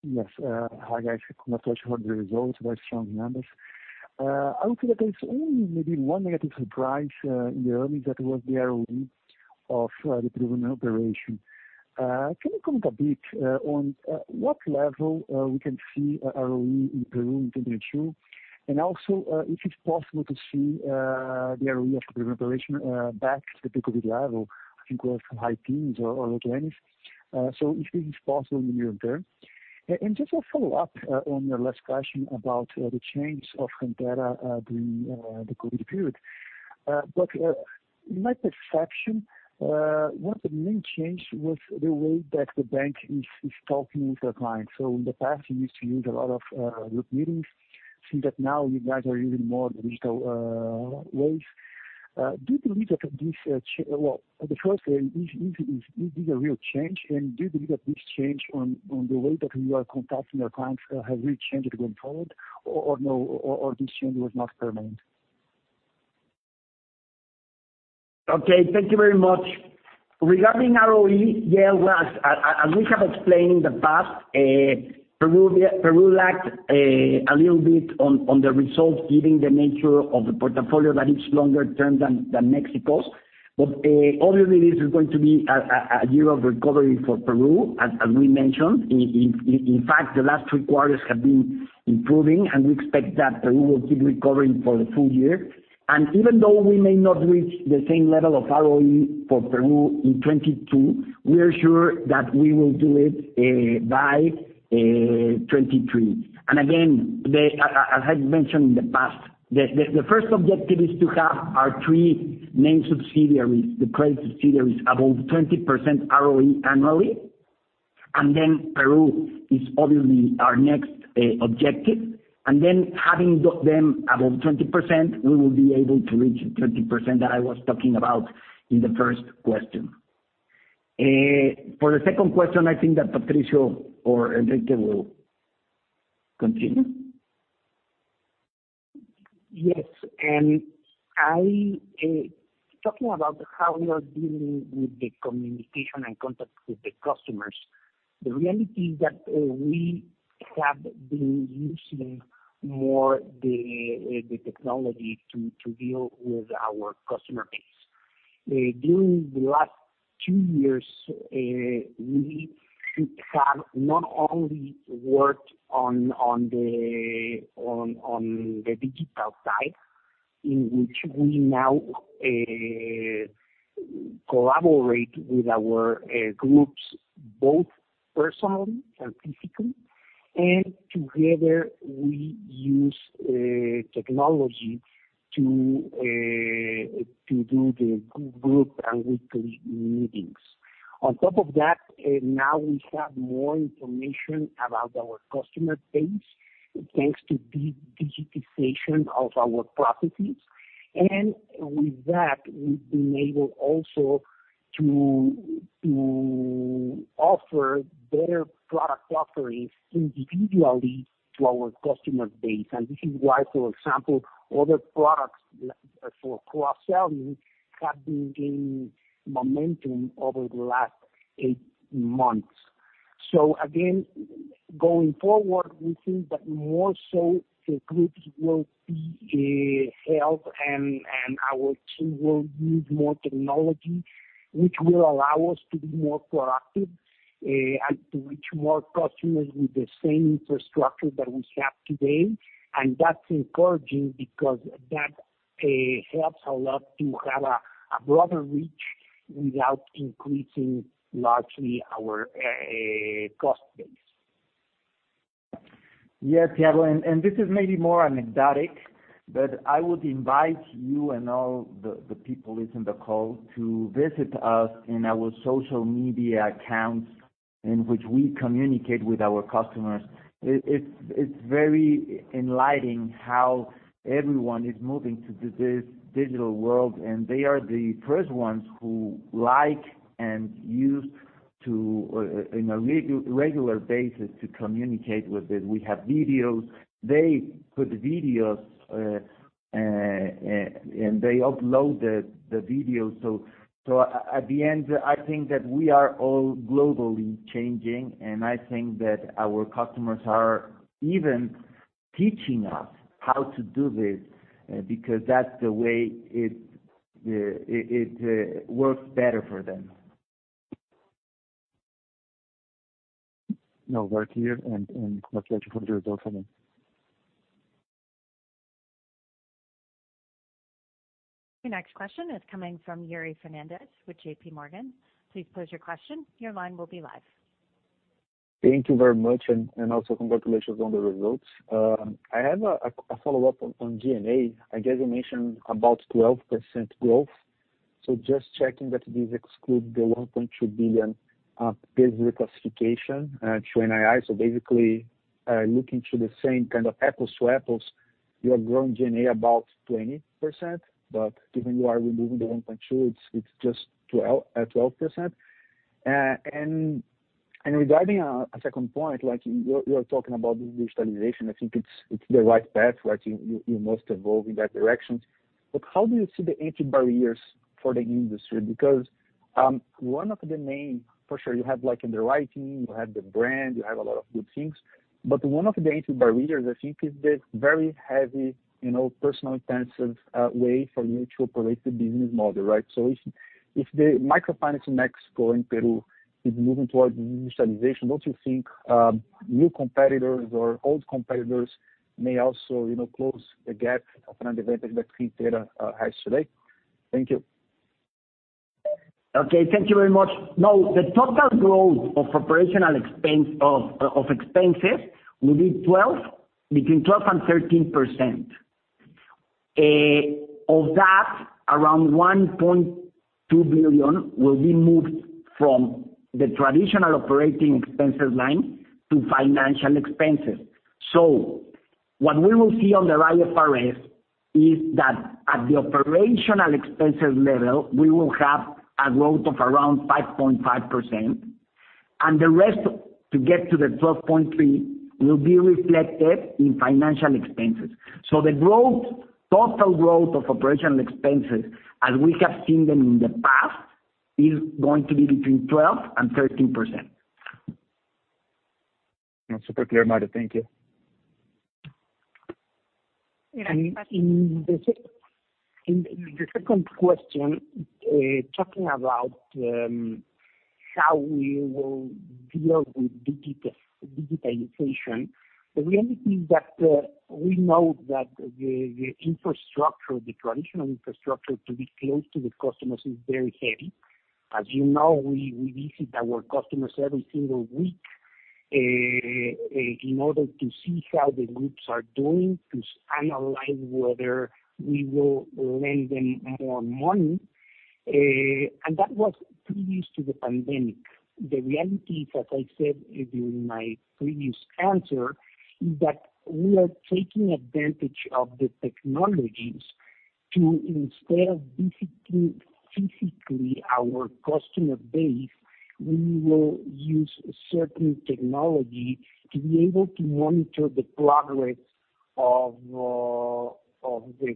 Yes. Hi, guys. Congratulations for the results, very strong numbers. I would say that there's only maybe one negative surprise in the earnings that was the ROE. Can you comment a bit on what level we can see ROE in Peru in 2022? Also, if it's possible to see the ROE of the Peruvian operation back to the peak of the year or I think it was some high teens or low twenties, if this is possible in the near term. Just a follow-up on your last question about the change of Gentera during the COVID period. In my perception, one of the main change was the way that the bank is talking with their clients. In the past, you used to use a lot of group meetings. I think that now you guys are using more the digital ways. Well, the first thing, is this a real change? Do you believe that this change in the way that you are contacting your clients has really changed going forward or no, or this change was not permanent? Okay, thank you very much. Regarding ROE, well, as we have explained in the past, Peru lacked a little bit on the results given the nature of the portfolio that is longer term than Mexico's. Obviously this is going to be a year of recovery for Peru, as we mentioned. In fact, the last three quarters have been improving, and we expect that Peru will keep recovering for the full year. Even though we may not reach the same level of ROE for Peru in 2022, we are sure that we will do it by 2023. As I mentioned in the past, the first objective is to have our three main subsidiaries, the credit subsidiaries, above 20% ROE annually. Peru is obviously our next objective. Having them above 20%, we will be able to reach the 20% that I was talking about in the first question. For the second question, I think that Patricio or Enrique will continue. Yes, talking about how we are dealing with the communication and contact with the customers, the reality is that we have been using more the technology to deal with our customer base. During the last two years, we have not only worked on the digital side, in which we now collaborate with our groups, both personally and physically, and together we use technology to do the group and weekly meetings. On top of that, now we have more information about our customer base, thanks to digitization of our processes. With that, we've been able also to offer better product offerings individually to our customer base. This is why, for example, other products like for cross-selling have been gaining momentum over the last eight months. Again, going forward, we think that more so the groups will be helped and our team will use more technology, which will allow us to be more proactive and to reach more customers with the same infrastructure that we have today. That's encouraging because that helps a lot to have a broader reach without increasing largely our cost base. Yeah, Thiago, and this is maybe more anecdotic, but I would invite you and all the people listening to the call to visit us in our social media accounts in which we communicate with our customers. It's very enlightening how everyone is moving to this digital world, and they are the first ones who like and use it on a regular basis to communicate with it. We have videos. They post videos and they upload the videos. At the end, I think that we are all globally changing, and I think that our customers are even teaching us how to do this because that's the way it works better for them. No more here. Congratulations on the results again. Your next question is coming from Yuri Fernandes with JPMorgan. Please pose your question. Your line will be live. Thank you very much, and also congratulations on the results. I have a follow-up on G&A. I guess you mentioned about 12% growth. Just checking that this excludes the 1.2 billion peso base reclassification to NII. Basically, looking to the same kind of apples to apples, you are growing G&A about 20%, but given you are removing the 1.2 billion, it's just 12%. And regarding a second point, like you're talking about the digitalization. I think it's the right path, like you must evolve in that direction. How do you see the entry barriers for the industry? One of the main for sure you have like underwriting, you have the brand, you have a lot of good things, but one of the entry barriers I think is the very heavy, you know, personnel intensive way for you to operate the business model, right? If the microfinance in Mexico and Peru is moving towards industrialization, don't you think new competitors or old competitors may also, you know, close the gap of an advantage that Gentera has today? Thank you. Okay, thank you very much. The total growth of operational expenses will be between 12% and 13%. Of that, around 1.2 billion will be moved from the traditional operating expenses line to financial expenses. What we will see on the IFRS is that at the operational expenses level, we will have a growth of around 5.5%, and the rest to get to the 12.3% will be reflected in financial expenses. The growth, total growth of operational expenses as we have seen them in the past, is going to be between 12% and 13%. Super clear, Mario. Thank you. In the second question, talking about how we will deal with digitization. The reality is that we know that the infrastructure, the traditional infrastructure to be close to the customers is very heavy. As you know, we visit our customers every single week in order to see how the groups are doing, to analyze whether we will lend them more money, and that was previous to the pandemic. The reality is, as I said during my previous answer, is that we are taking advantage of the technologies to instead of visiting physically our customer base, we will use certain technology to be able to monitor the progress of the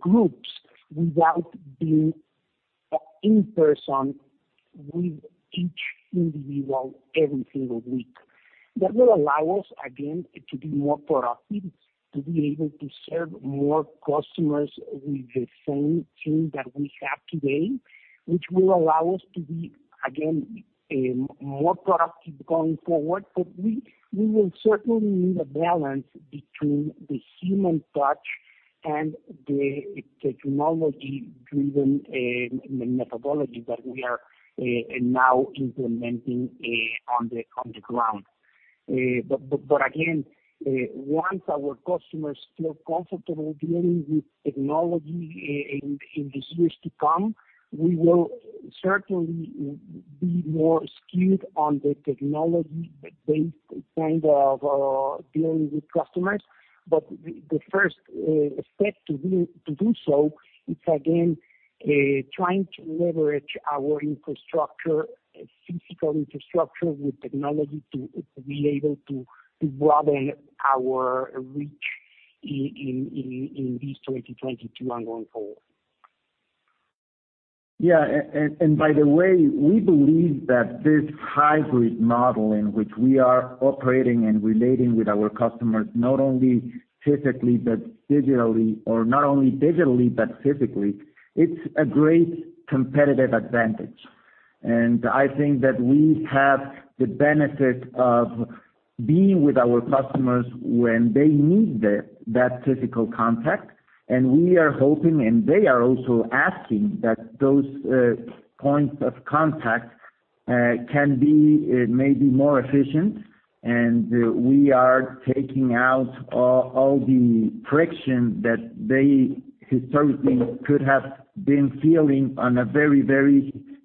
groups without being in person with each individual every single week. That will allow us again to be more productive to be able to serve more customers with the same team that we have today, which will allow us to be again more productive going forward. We will certainly need a balance between the human touch and the technology-driven methodology that we are now implementing on the ground. Once our customers feel comfortable dealing with technology in these years to come, we will certainly be more skewed on the technology-based kind of dealing with customers. The first step to do so is again trying to leverage our physical infrastructure with technology to be able to broaden our reach in this 2022 going forward. Yeah. By the way, we believe that this hybrid model in which we are operating and relating with our customers, not only physically but digitally or not only digitally but physically, it's a great competitive advantage. I think that we have the benefit of being with our customers when they need that physical contact. We are hoping, and they are also asking that those points of contact can be maybe more efficient. We are taking out all the friction that they historically could have been feeling on a very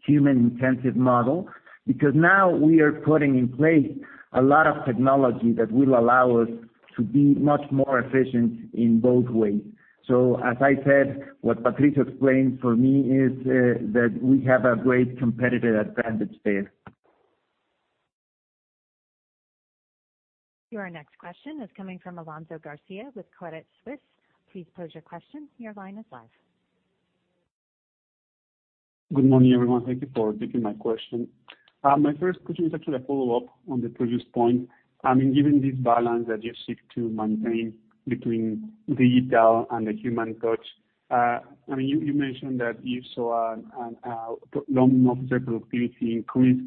human-intensive model. Because now we are putting in place a lot of technology that will allow us to be much more efficient in both ways. As I said, what Patricio explained for me is that we have a great competitive advantage there. Your next question is coming from Alonso Garcia with Credit Suisse. Please pose your question. Your line is live. Good morning, everyone. Thank you for taking my question. My first question is actually a follow-up on the previous point. I mean, given this balance that you seek to maintain between digital and the human touch, I mean, you mentioned that you saw a loan officer productivity increase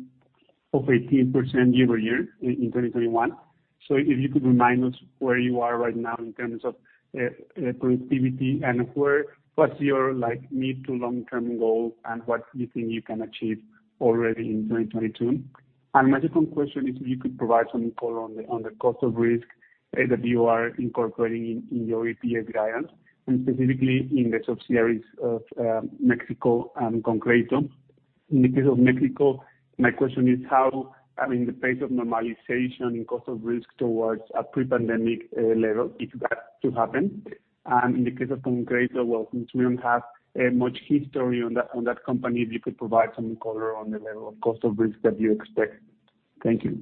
of 18% year-over-year in 2021. If you could remind us where you are right now in terms of productivity and what's your, like, mid- to long-term goal and what you think you can achieve already in 2022? My second question is if you could provide some color on the cost of risk that you are incorporating in your EPS guidance and specifically in the subsidiaries in Mexico and ConCrédito. In the case of Mexico, my question is how, I mean, the pace of normalization in cost of risk towards a pre-pandemic level, if that's to happen. In the case of ConCrédito, well, since we don't have much history on that company, if you could provide some color on the level of cost of risk that you expect. Thank you.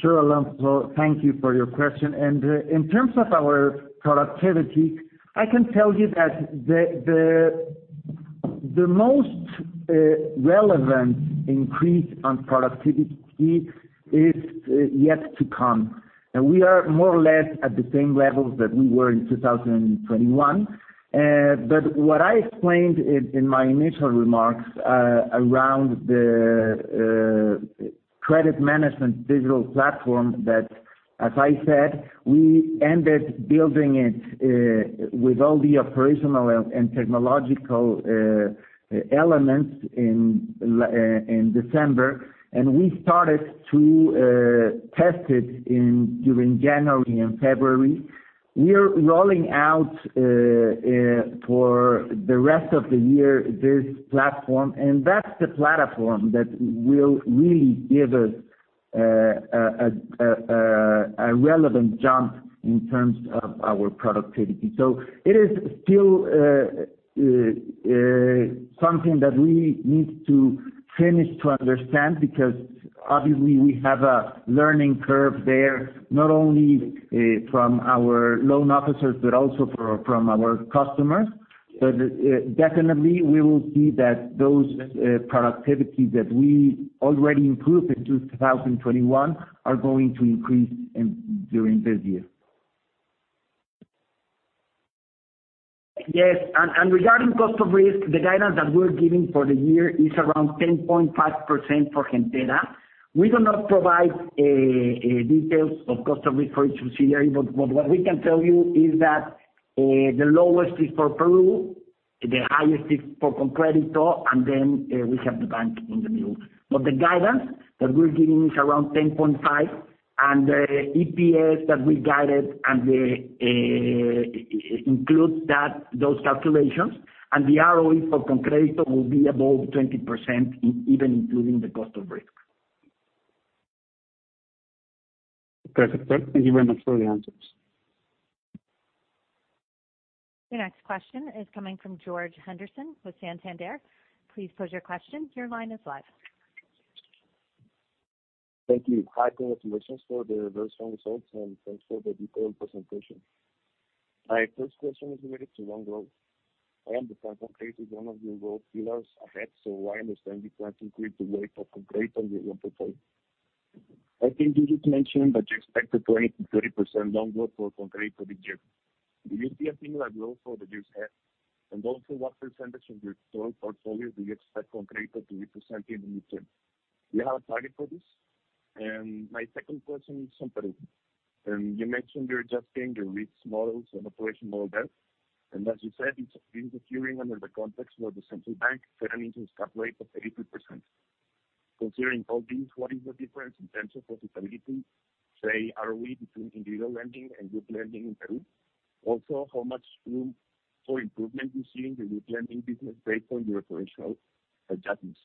Sure, Alonso, thank you for your question. In terms of our productivity, I can tell you that the most relevant increase on productivity is yet to come. We are more or less at the same levels that we were in 2021. But what I explained in my initial remarks around the credit management digital platform that as I said, we ended building it with all the operational and technological elements in December, and we started to test it during January and February. We are rolling out for the rest of the year this platform, and that's the platform that will really give us a relevant jump in terms of our productivity. It is still something that we need to finish to understand, because obviously we have a learning curve there, not only from our loan officers, but also from our customers. Definitely we will see that those productivity that we already improved in 2021 are going to increase during this year. Yes. Regarding cost of risk, the guidance that we're giving for the year is around 10.5% for Gentera. We do not provide details of cost of risk for each subsidiary, but what we can tell you is that the lowest is for Peru, the highest is for ConCrédito, and then we have the bank in the middle. The guidance that we're giving is around 10.5, and the EPS that we guided and that includes those calculations. The ROE for ConCrédito will be above 20%, even including the cost of risk. Perfect. Thank you very much for the answers. Your next question is coming from Jorge Henderson with Santander. Please pose your question. Your line is live. Thank you. Hi, congratulations for the very strong results, and thanks for the detailed presentation. My first question is related to loan growth. I understand ConCrédito is one of your growth pillars ahead, so I understand you can't include the rate of ConCrédito in your portfolio. I think you just mentioned that you expect a 20%-30% loan growth for ConCrédito this year. Do you see a similar growth for the years ahead? What percentage of your total portfolio do you expect ConCrédito to represent in the midterm? Do you have a target for this? My second question is on Peru. You mentioned you're adjusting the risk models and operational model there. As you said, it's occurring under the context where the central bank turned into its cap rate of 33%. Considering all this, what is the difference in terms of profitability, say ROE between individual lending and group lending in Peru? Also, how much room for improvement do you see in the group lending business based on your operational adjustments?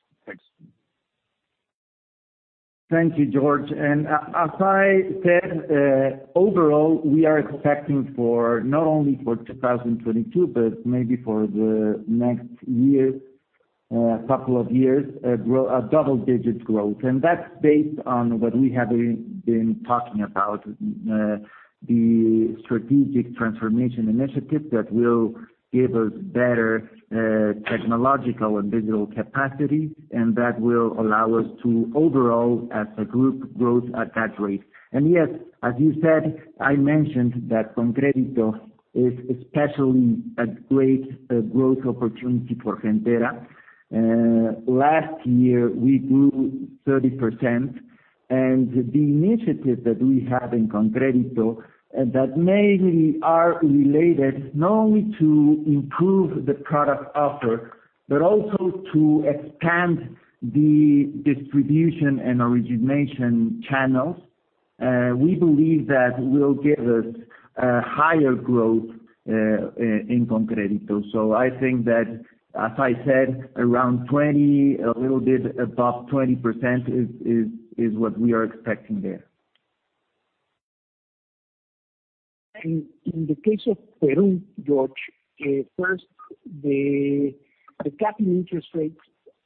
Thanks. Thank you, Jorge. As I said, overall, we are expecting for not only for 2022, but maybe for the next year, couple of years, a double digit growth. That's based on what we have been talking about, the strategic transformation initiative that will give us better technological and digital capacity, and that will allow us to overall as a group growth at that rate. Yes, as you said, I mentioned that ConCrédito is especially a great growth opportunity for Gentera. Last year we grew 30%. The initiative that we have in ConCrédito that mainly are related not only to improve the product offer, but also to expand the distribution and origination channels, we believe that will give us a higher growth in ConCrédito. I think that, as I said, around 20, a little bit above 20% is what we are expecting there. In the case of Peru, Jorge, first the cap in interest rates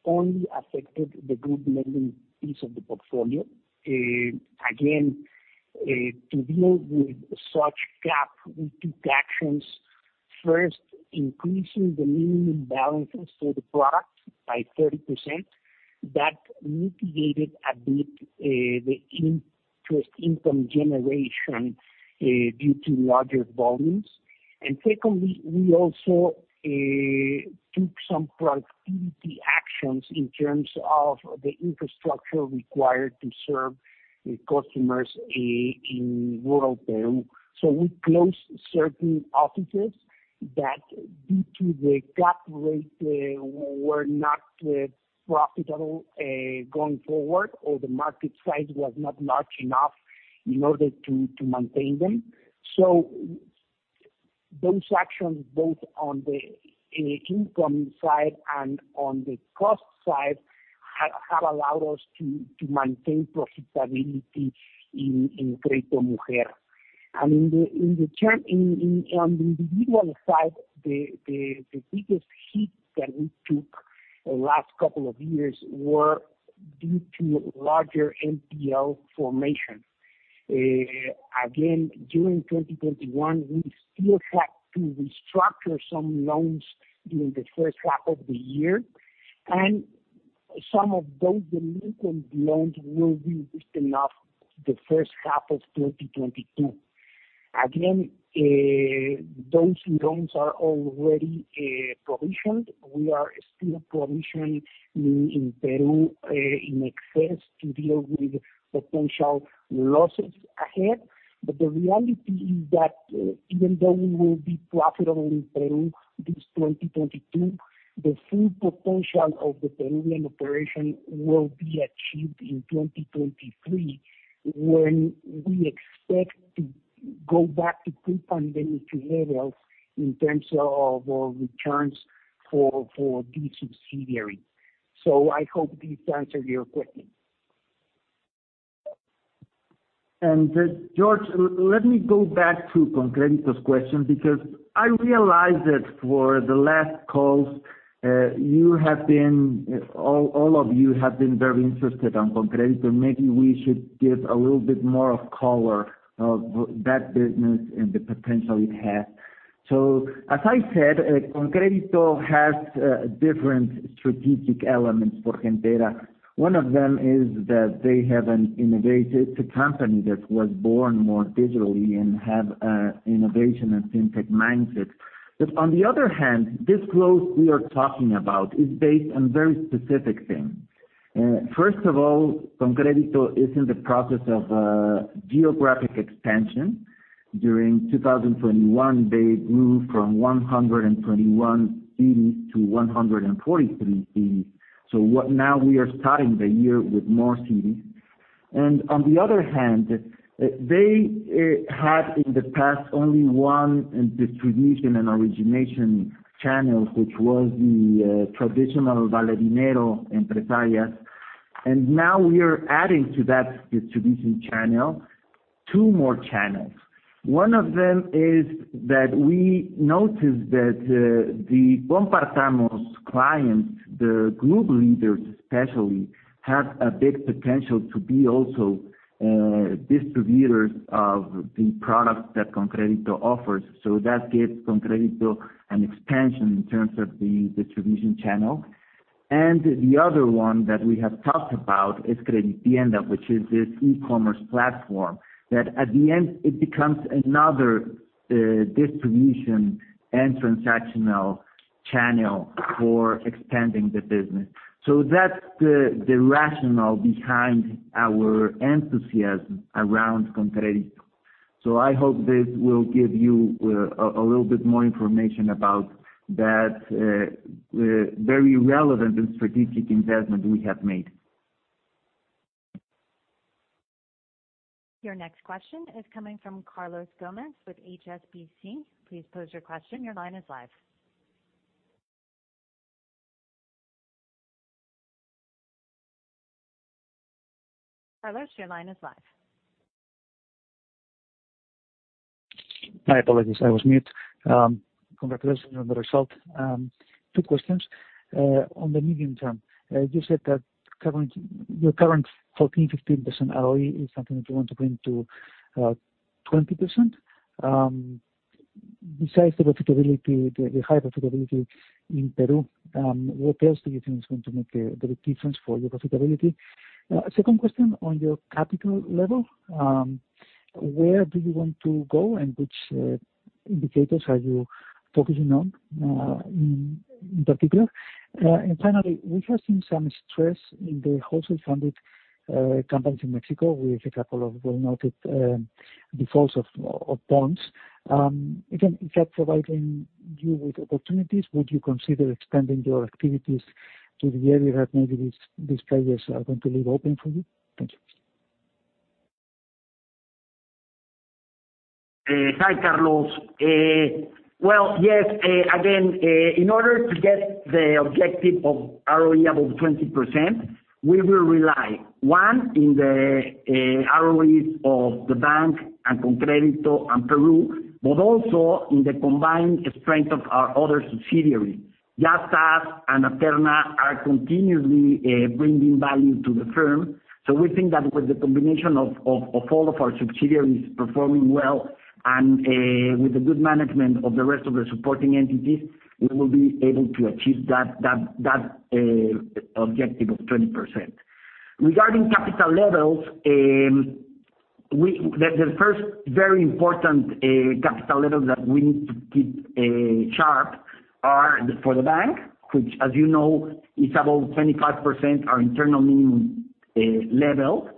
only affected the group lending piece of the portfolio. Again, to deal with such cap, we took actions, first increasing the minimum balances for the product by 30%. That mitigated a bit the interest income generation due to larger volumes. Secondly, we also took some productivity actions in terms of the infrastructure required to serve customers in rural Peru. We closed certain offices that due to the cap rate were not profitable going forward, or the market size was not large enough in order to maintain them. Those actions, both on the income side and on the cost side, have allowed us to maintain profitability in Crédito Mujer. On the individual side, the biggest hit that we took the last couple of years were due to larger NPL formation. Again, during 2021, we still had to restructure some loans during the first half of the year, and some of those delinquent loans will be written off the first half of 2022. Again, those loans are already provisioned. We are still provisioning in Peru in excess to deal with potential losses ahead. The reality is that even though we will be profitable in Peru this 2022, the full potential of the Peruvian operation will be achieved in 2023, when we expect to go back to pre-pandemic levels in terms of our returns for this subsidiary. I hope this answered your question. Jorge, let me go back to ConCrédito's question because I realized that for the last calls, you have been, all of you have been very interested on ConCrédito. Maybe we should give a little bit more of color of that business and the potential it has. As I said, ConCrédito has different strategic elements for Gentera. One of them is that they have an innovative—it's a company that was born more digitally and have a innovation and FinTech mindset. But on the other hand, this growth we are talking about is based on very specific things. First of all, ConCrédito is in the process of geographic expansion. During 2021, they grew from 121 cities to 140 cities. Now we are starting the year with more cities. On the other hand, they had in the past only one distribution and origination channel, which was the traditional vendedores empresarios. Now we are adding to that distribution channel two more channels. One of them is that we noticed that the Compartamos clients, the group leaders especially, have a big potential to be also distributors of the products that ConCrédito offers. That gives ConCrédito an expansion in terms of the distribution channel. The other one that we have talked about is CrediTienda, which is this e-commerce platform that at the end it becomes another distribution and transactional channel for expanding the business. That's the rationale behind our enthusiasm around ConCrédito. I hope this will give you a little bit more information about that very relevant and strategic investment we have made. Your next question is coming from Carlos Gomez with HSBC. Please pose your question. Your line is live. Carlos, your line is live. My apologies, I was mute. Congratulations on the result. Two questions. On the medium term, you said that your current 14%-15% ROE is something that you want to bring to 20%. Besides the profitability, the high profitability in Peru, what else do you think is going to make the difference for your profitability? Second question on your capital level, where do you want to go, and which indicators are you focusing on in particular? And finally, we have seen some stress in the wholesale funded companies in Mexico with a couple of well-noted defaults of bonds. If that's providing you with opportunities, would you consider expanding your activities to the area that maybe these players are going to leave open for you? Thank you. Hi, Carlos. In order to get the objective of ROE above 20%, we will rely on the ROEs of the bank and ConCrédito and Peru, but also in the combined strength of our other subsidiaries. Yastás and Aterna are continuously bringing value to the firm. We think that with the combination of all of our subsidiaries performing well and with the good management of the rest of the supporting entities, we will be able to achieve that objective of 20%. Regarding capital levels, the first very important capital levels that we need to keep sharp are for the bank, which as you know, is above 25%, our internal minimum level.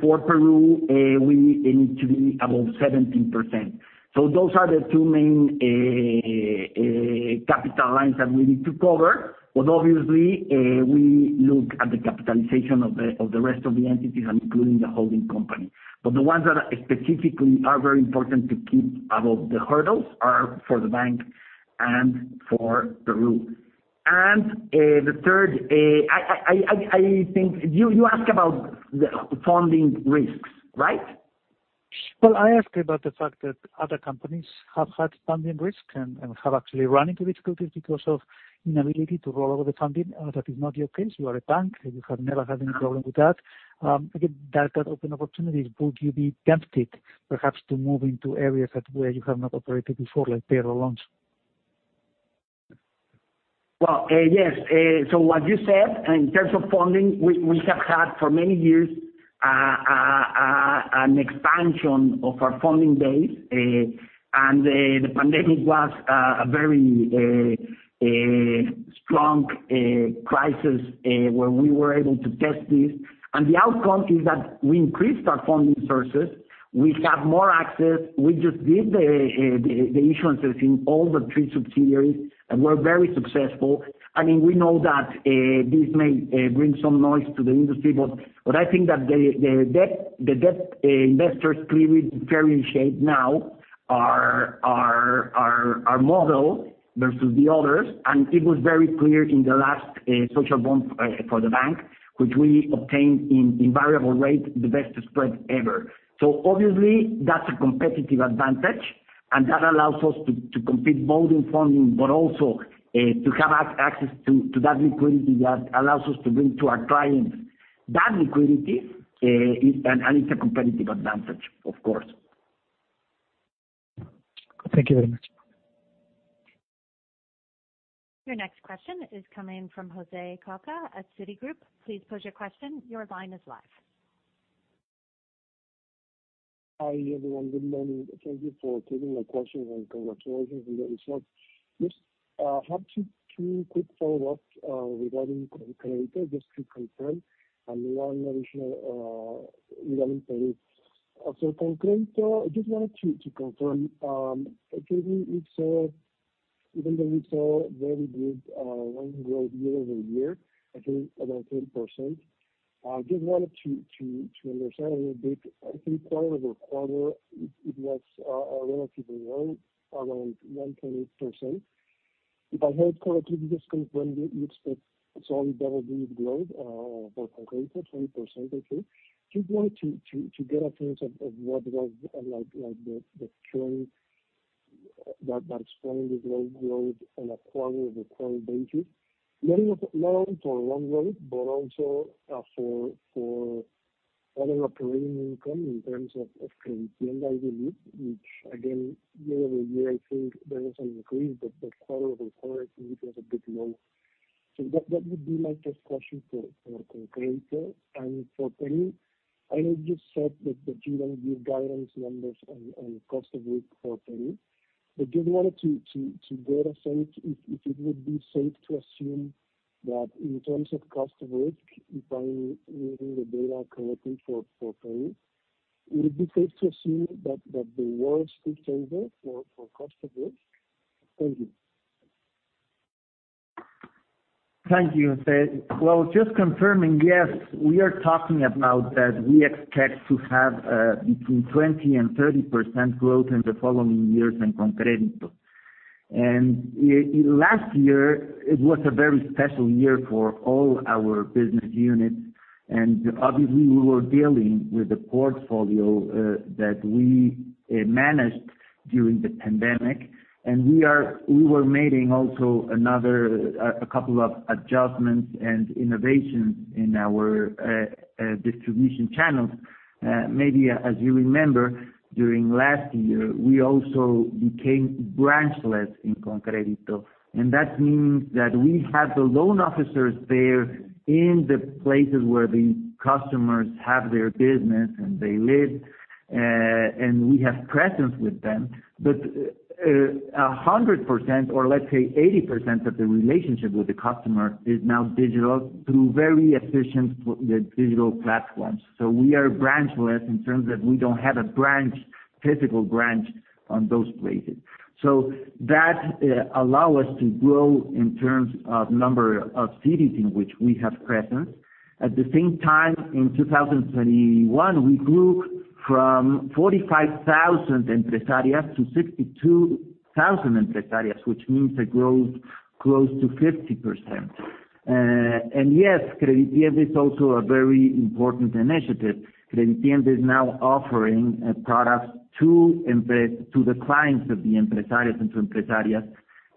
For Peru, we need it to be above 17%. Those are the two main capital lines that we need to cover. Obviously, we look at the capitalization of the rest of the entities, including the holding company. The ones that specifically are very important to keep above the hurdles are for the bank and for Peru. The third, I think you ask about the funding risks, right? Well, I asked about the fact that other companies have had funding risk and have actually run into difficulties because of inability to roll over the funding. That is not your case. You are a bank, and you have never had any problem with that. Again, that opens opportunities. Would you be tempted perhaps to move into areas where you have not operated before, like payroll loans? Well, yes. What you said, in terms of funding, we have had for many years an expansion of our funding base. The pandemic was a very strong crisis where we were able to test this. The outcome is that we increased our funding sources. We have more access. We just did the issuances in all three subsidiaries, and we're very successful. I mean, we know that this may bring some noise to the industry, but what I think that the debt investors clearly very sharp now are our model versus the others, and it was very clear in the last social bond for the bank, which we obtained in variable rate the best spread ever. Obviously, that's a competitive advantage, and that allows us to compete both in funding, but also to have access to that liquidity that allows us to bring to our clients that liquidity. It's a competitive advantage, of course. Thank you very much. Your next question is coming from José Coca at Citigroup. Please pose your question. Your line is live. Hi, everyone. Good morning. Thank you for taking my questions and congratulations on the results. Just have two quick follow-ups regarding ConCrédito, just to confirm, and one additional regarding Peru. ConCrédito, I just wanted to confirm, given it's a very good loan growth year-over-year, I think about 10%, just wanted to understand a little bit. I think quarter-over-quarter it was relatively low, around 1.8%. If I heard correctly, you just confirmed you expect solid double-digit growth for ConCrédito, 20%, okay. Just wanted to get a sense of what was like the trends that's driving the loan growth on a quarter-over-quarter basis. Not only for loan growth, but also for other operating income in terms of CrediTienda, I believe, which again, year over year, I think there was an increase, but quarter over quarter, I think it was a bit low. That would be my first question for ConCrédito. For Peru, I know you said that you don't give guidance on those, on cost of risk for Peru. Just wanted to get a sense if it would be safe to assume that in terms of cost of risk, if I'm reading the data correctly for Peru, would it be safe to assume that the worst is over for cost of risk? Thank you. Thank you, José. Well, just confirming, yes, we are talking about that we expect to have between 20% and 30% growth in the following years in ConCrédito. In last year, it was a very special year for all our business units, and obviously we were dealing with the portfolio that we managed during the pandemic. We were making also another couple of adjustments and innovations in our distribution channels. Maybe as you remember, during last year, we also became branch-less in ConCrédito. That means that we have the loan officers there in the places where the customers have their business and they live, and we have presence with them. But 100% or let's say 80% of the relationship with the customer is now digital through very efficient digital platforms. We are branch-less in terms of we don't have a branch, physical branch on those places. That allow us to grow in terms of number of cities in which we have presence. At the same time, in 2021, we grew from 45,000 empresarias to 62,000 empresarias, which means a growth close to 50%. Yes, CrediTienda is also a very important initiative. CrediTienda is now offering products to the clients of the empresarios and empresarias,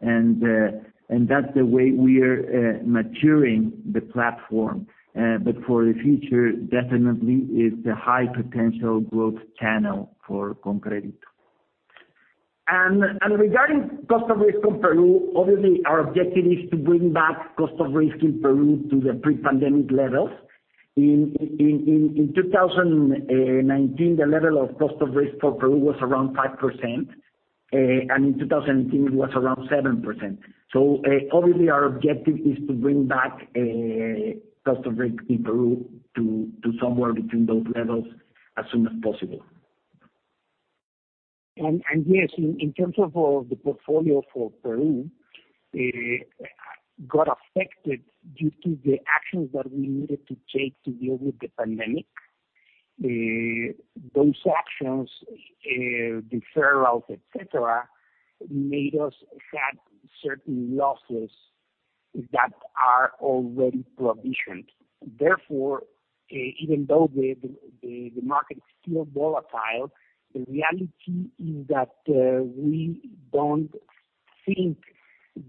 and that's the way we are maturing the platform. For the future, definitely it's a high potential growth channel for ConCrédito. Regarding cost of risk in Peru, obviously our objective is to bring back cost of risk in Peru to the pre-pandemic levels. In 2019, the level of cost of risk for Peru was around 5%, and in 2018 it was around 7%. Obviously our objective is to bring back cost of risk in Peru to somewhere between those levels as soon as possible. Yes, in terms of the portfolio for Peru, got affected due to the actions that we needed to take to deal with the pandemic. Those actions, deferrals, et cetera, made us had certain losses that are already provisioned. Therefore, even though the market is still volatile, the reality is that we don't think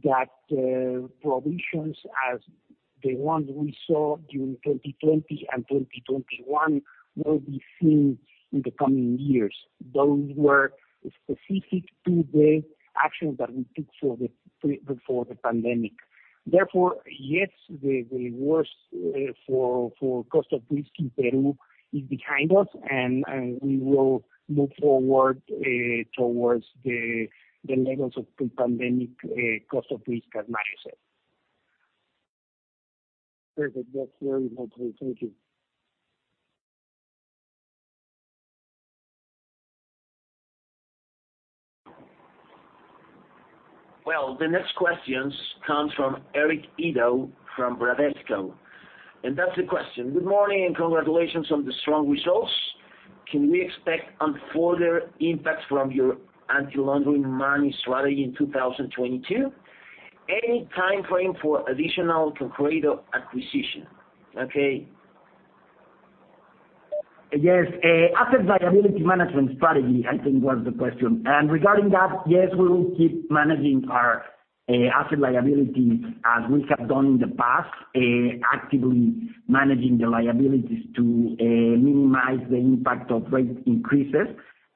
that provisions as the ones we saw during 2020 and 2021 will be seen in the coming years. Those were specific to the actions that we took before the pandemic. Therefore, yes, the worst for cost of risk in Peru is behind us, and we will move forward towards the levels of pre-pandemic cost of risk at [Banrisas]. Perfect. That's very helpful. Thank you. Well, the next question comes from Eric Ito from Bradesco, and that's the question: "Good morning, and congratulations on the strong results. Can we expect any further impacts from your anti-money laundering strategy in 2022? Any timeframe for additional ConCrédito acquisition?" Okay. Yes, asset liability management strategy, I think was the question. Regarding that, yes, we will keep managing our asset liability as we have done in the past, actively managing the liabilities to minimize the impact of rate increases.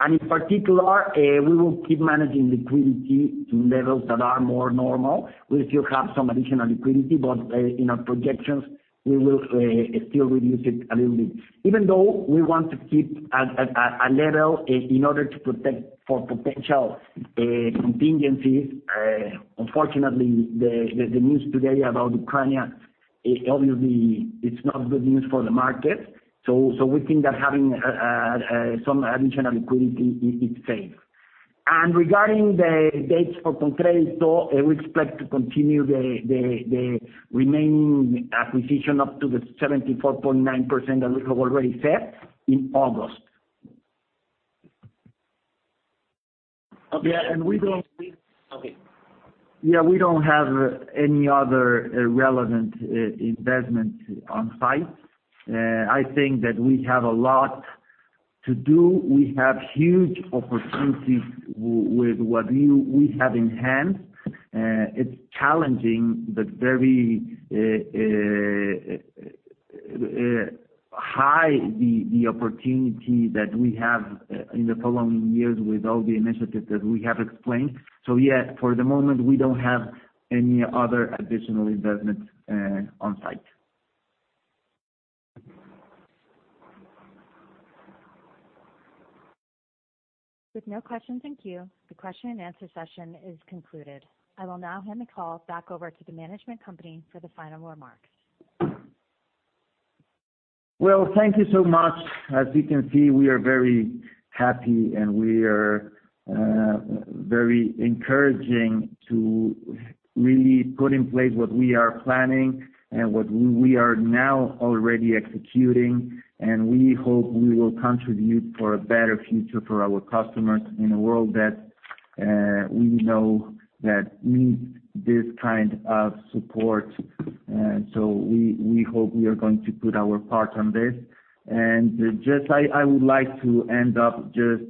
In particular, we will keep managing liquidity to levels that are more normal. We still have some additional liquidity, but in our projections, we will still reduce it a little bit. Even though we want to keep a level in order to protect for potential contingencies, unfortunately, the news today about Ukraine obviously it's not good news for the market. We think that having some additional liquidity is safe. Regarding the dates for ConCrédito, we expect to continue the remaining acquisition up to the 74.9% that we have already set in August. Okay, and we don't- Okay. Yeah, we don't have any other relevant investment on site. I think that we have a lot to do. We have huge opportunities with what we have in hand. It's challenging but very high, the opportunity that we have in the following years with all the initiatives that we have explained. Yeah, for the moment, we don't have any other additional investments on site. With no questions in queue, the question-and-answer session is concluded. I will now hand the call back over to the management company for the final remarks. Well, thank you so much. As you can see, we are very happy, and we are very encouraging to really put in place what we are planning and what we are now already executing. We hope we will contribute for a better future for our customers in a world that we know that needs this kind of support. We hope we are going to put our part on this. Just I would like to end up just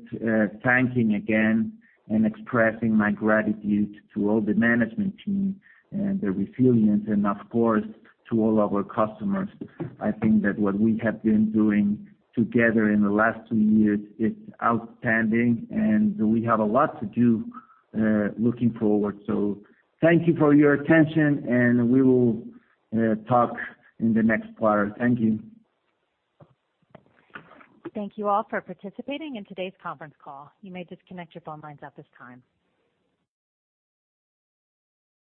thanking again and expressing my gratitude to all the management team and their resilience and of course to all our customers. I think that what we have been doing together in the last two years is outstanding, and we have a lot to do looking forward. Thank you for your attention, and we will talk in the next quarter. Thank you. Thank you all for participating in today's conference call. You may disconnect your phone lines at this time.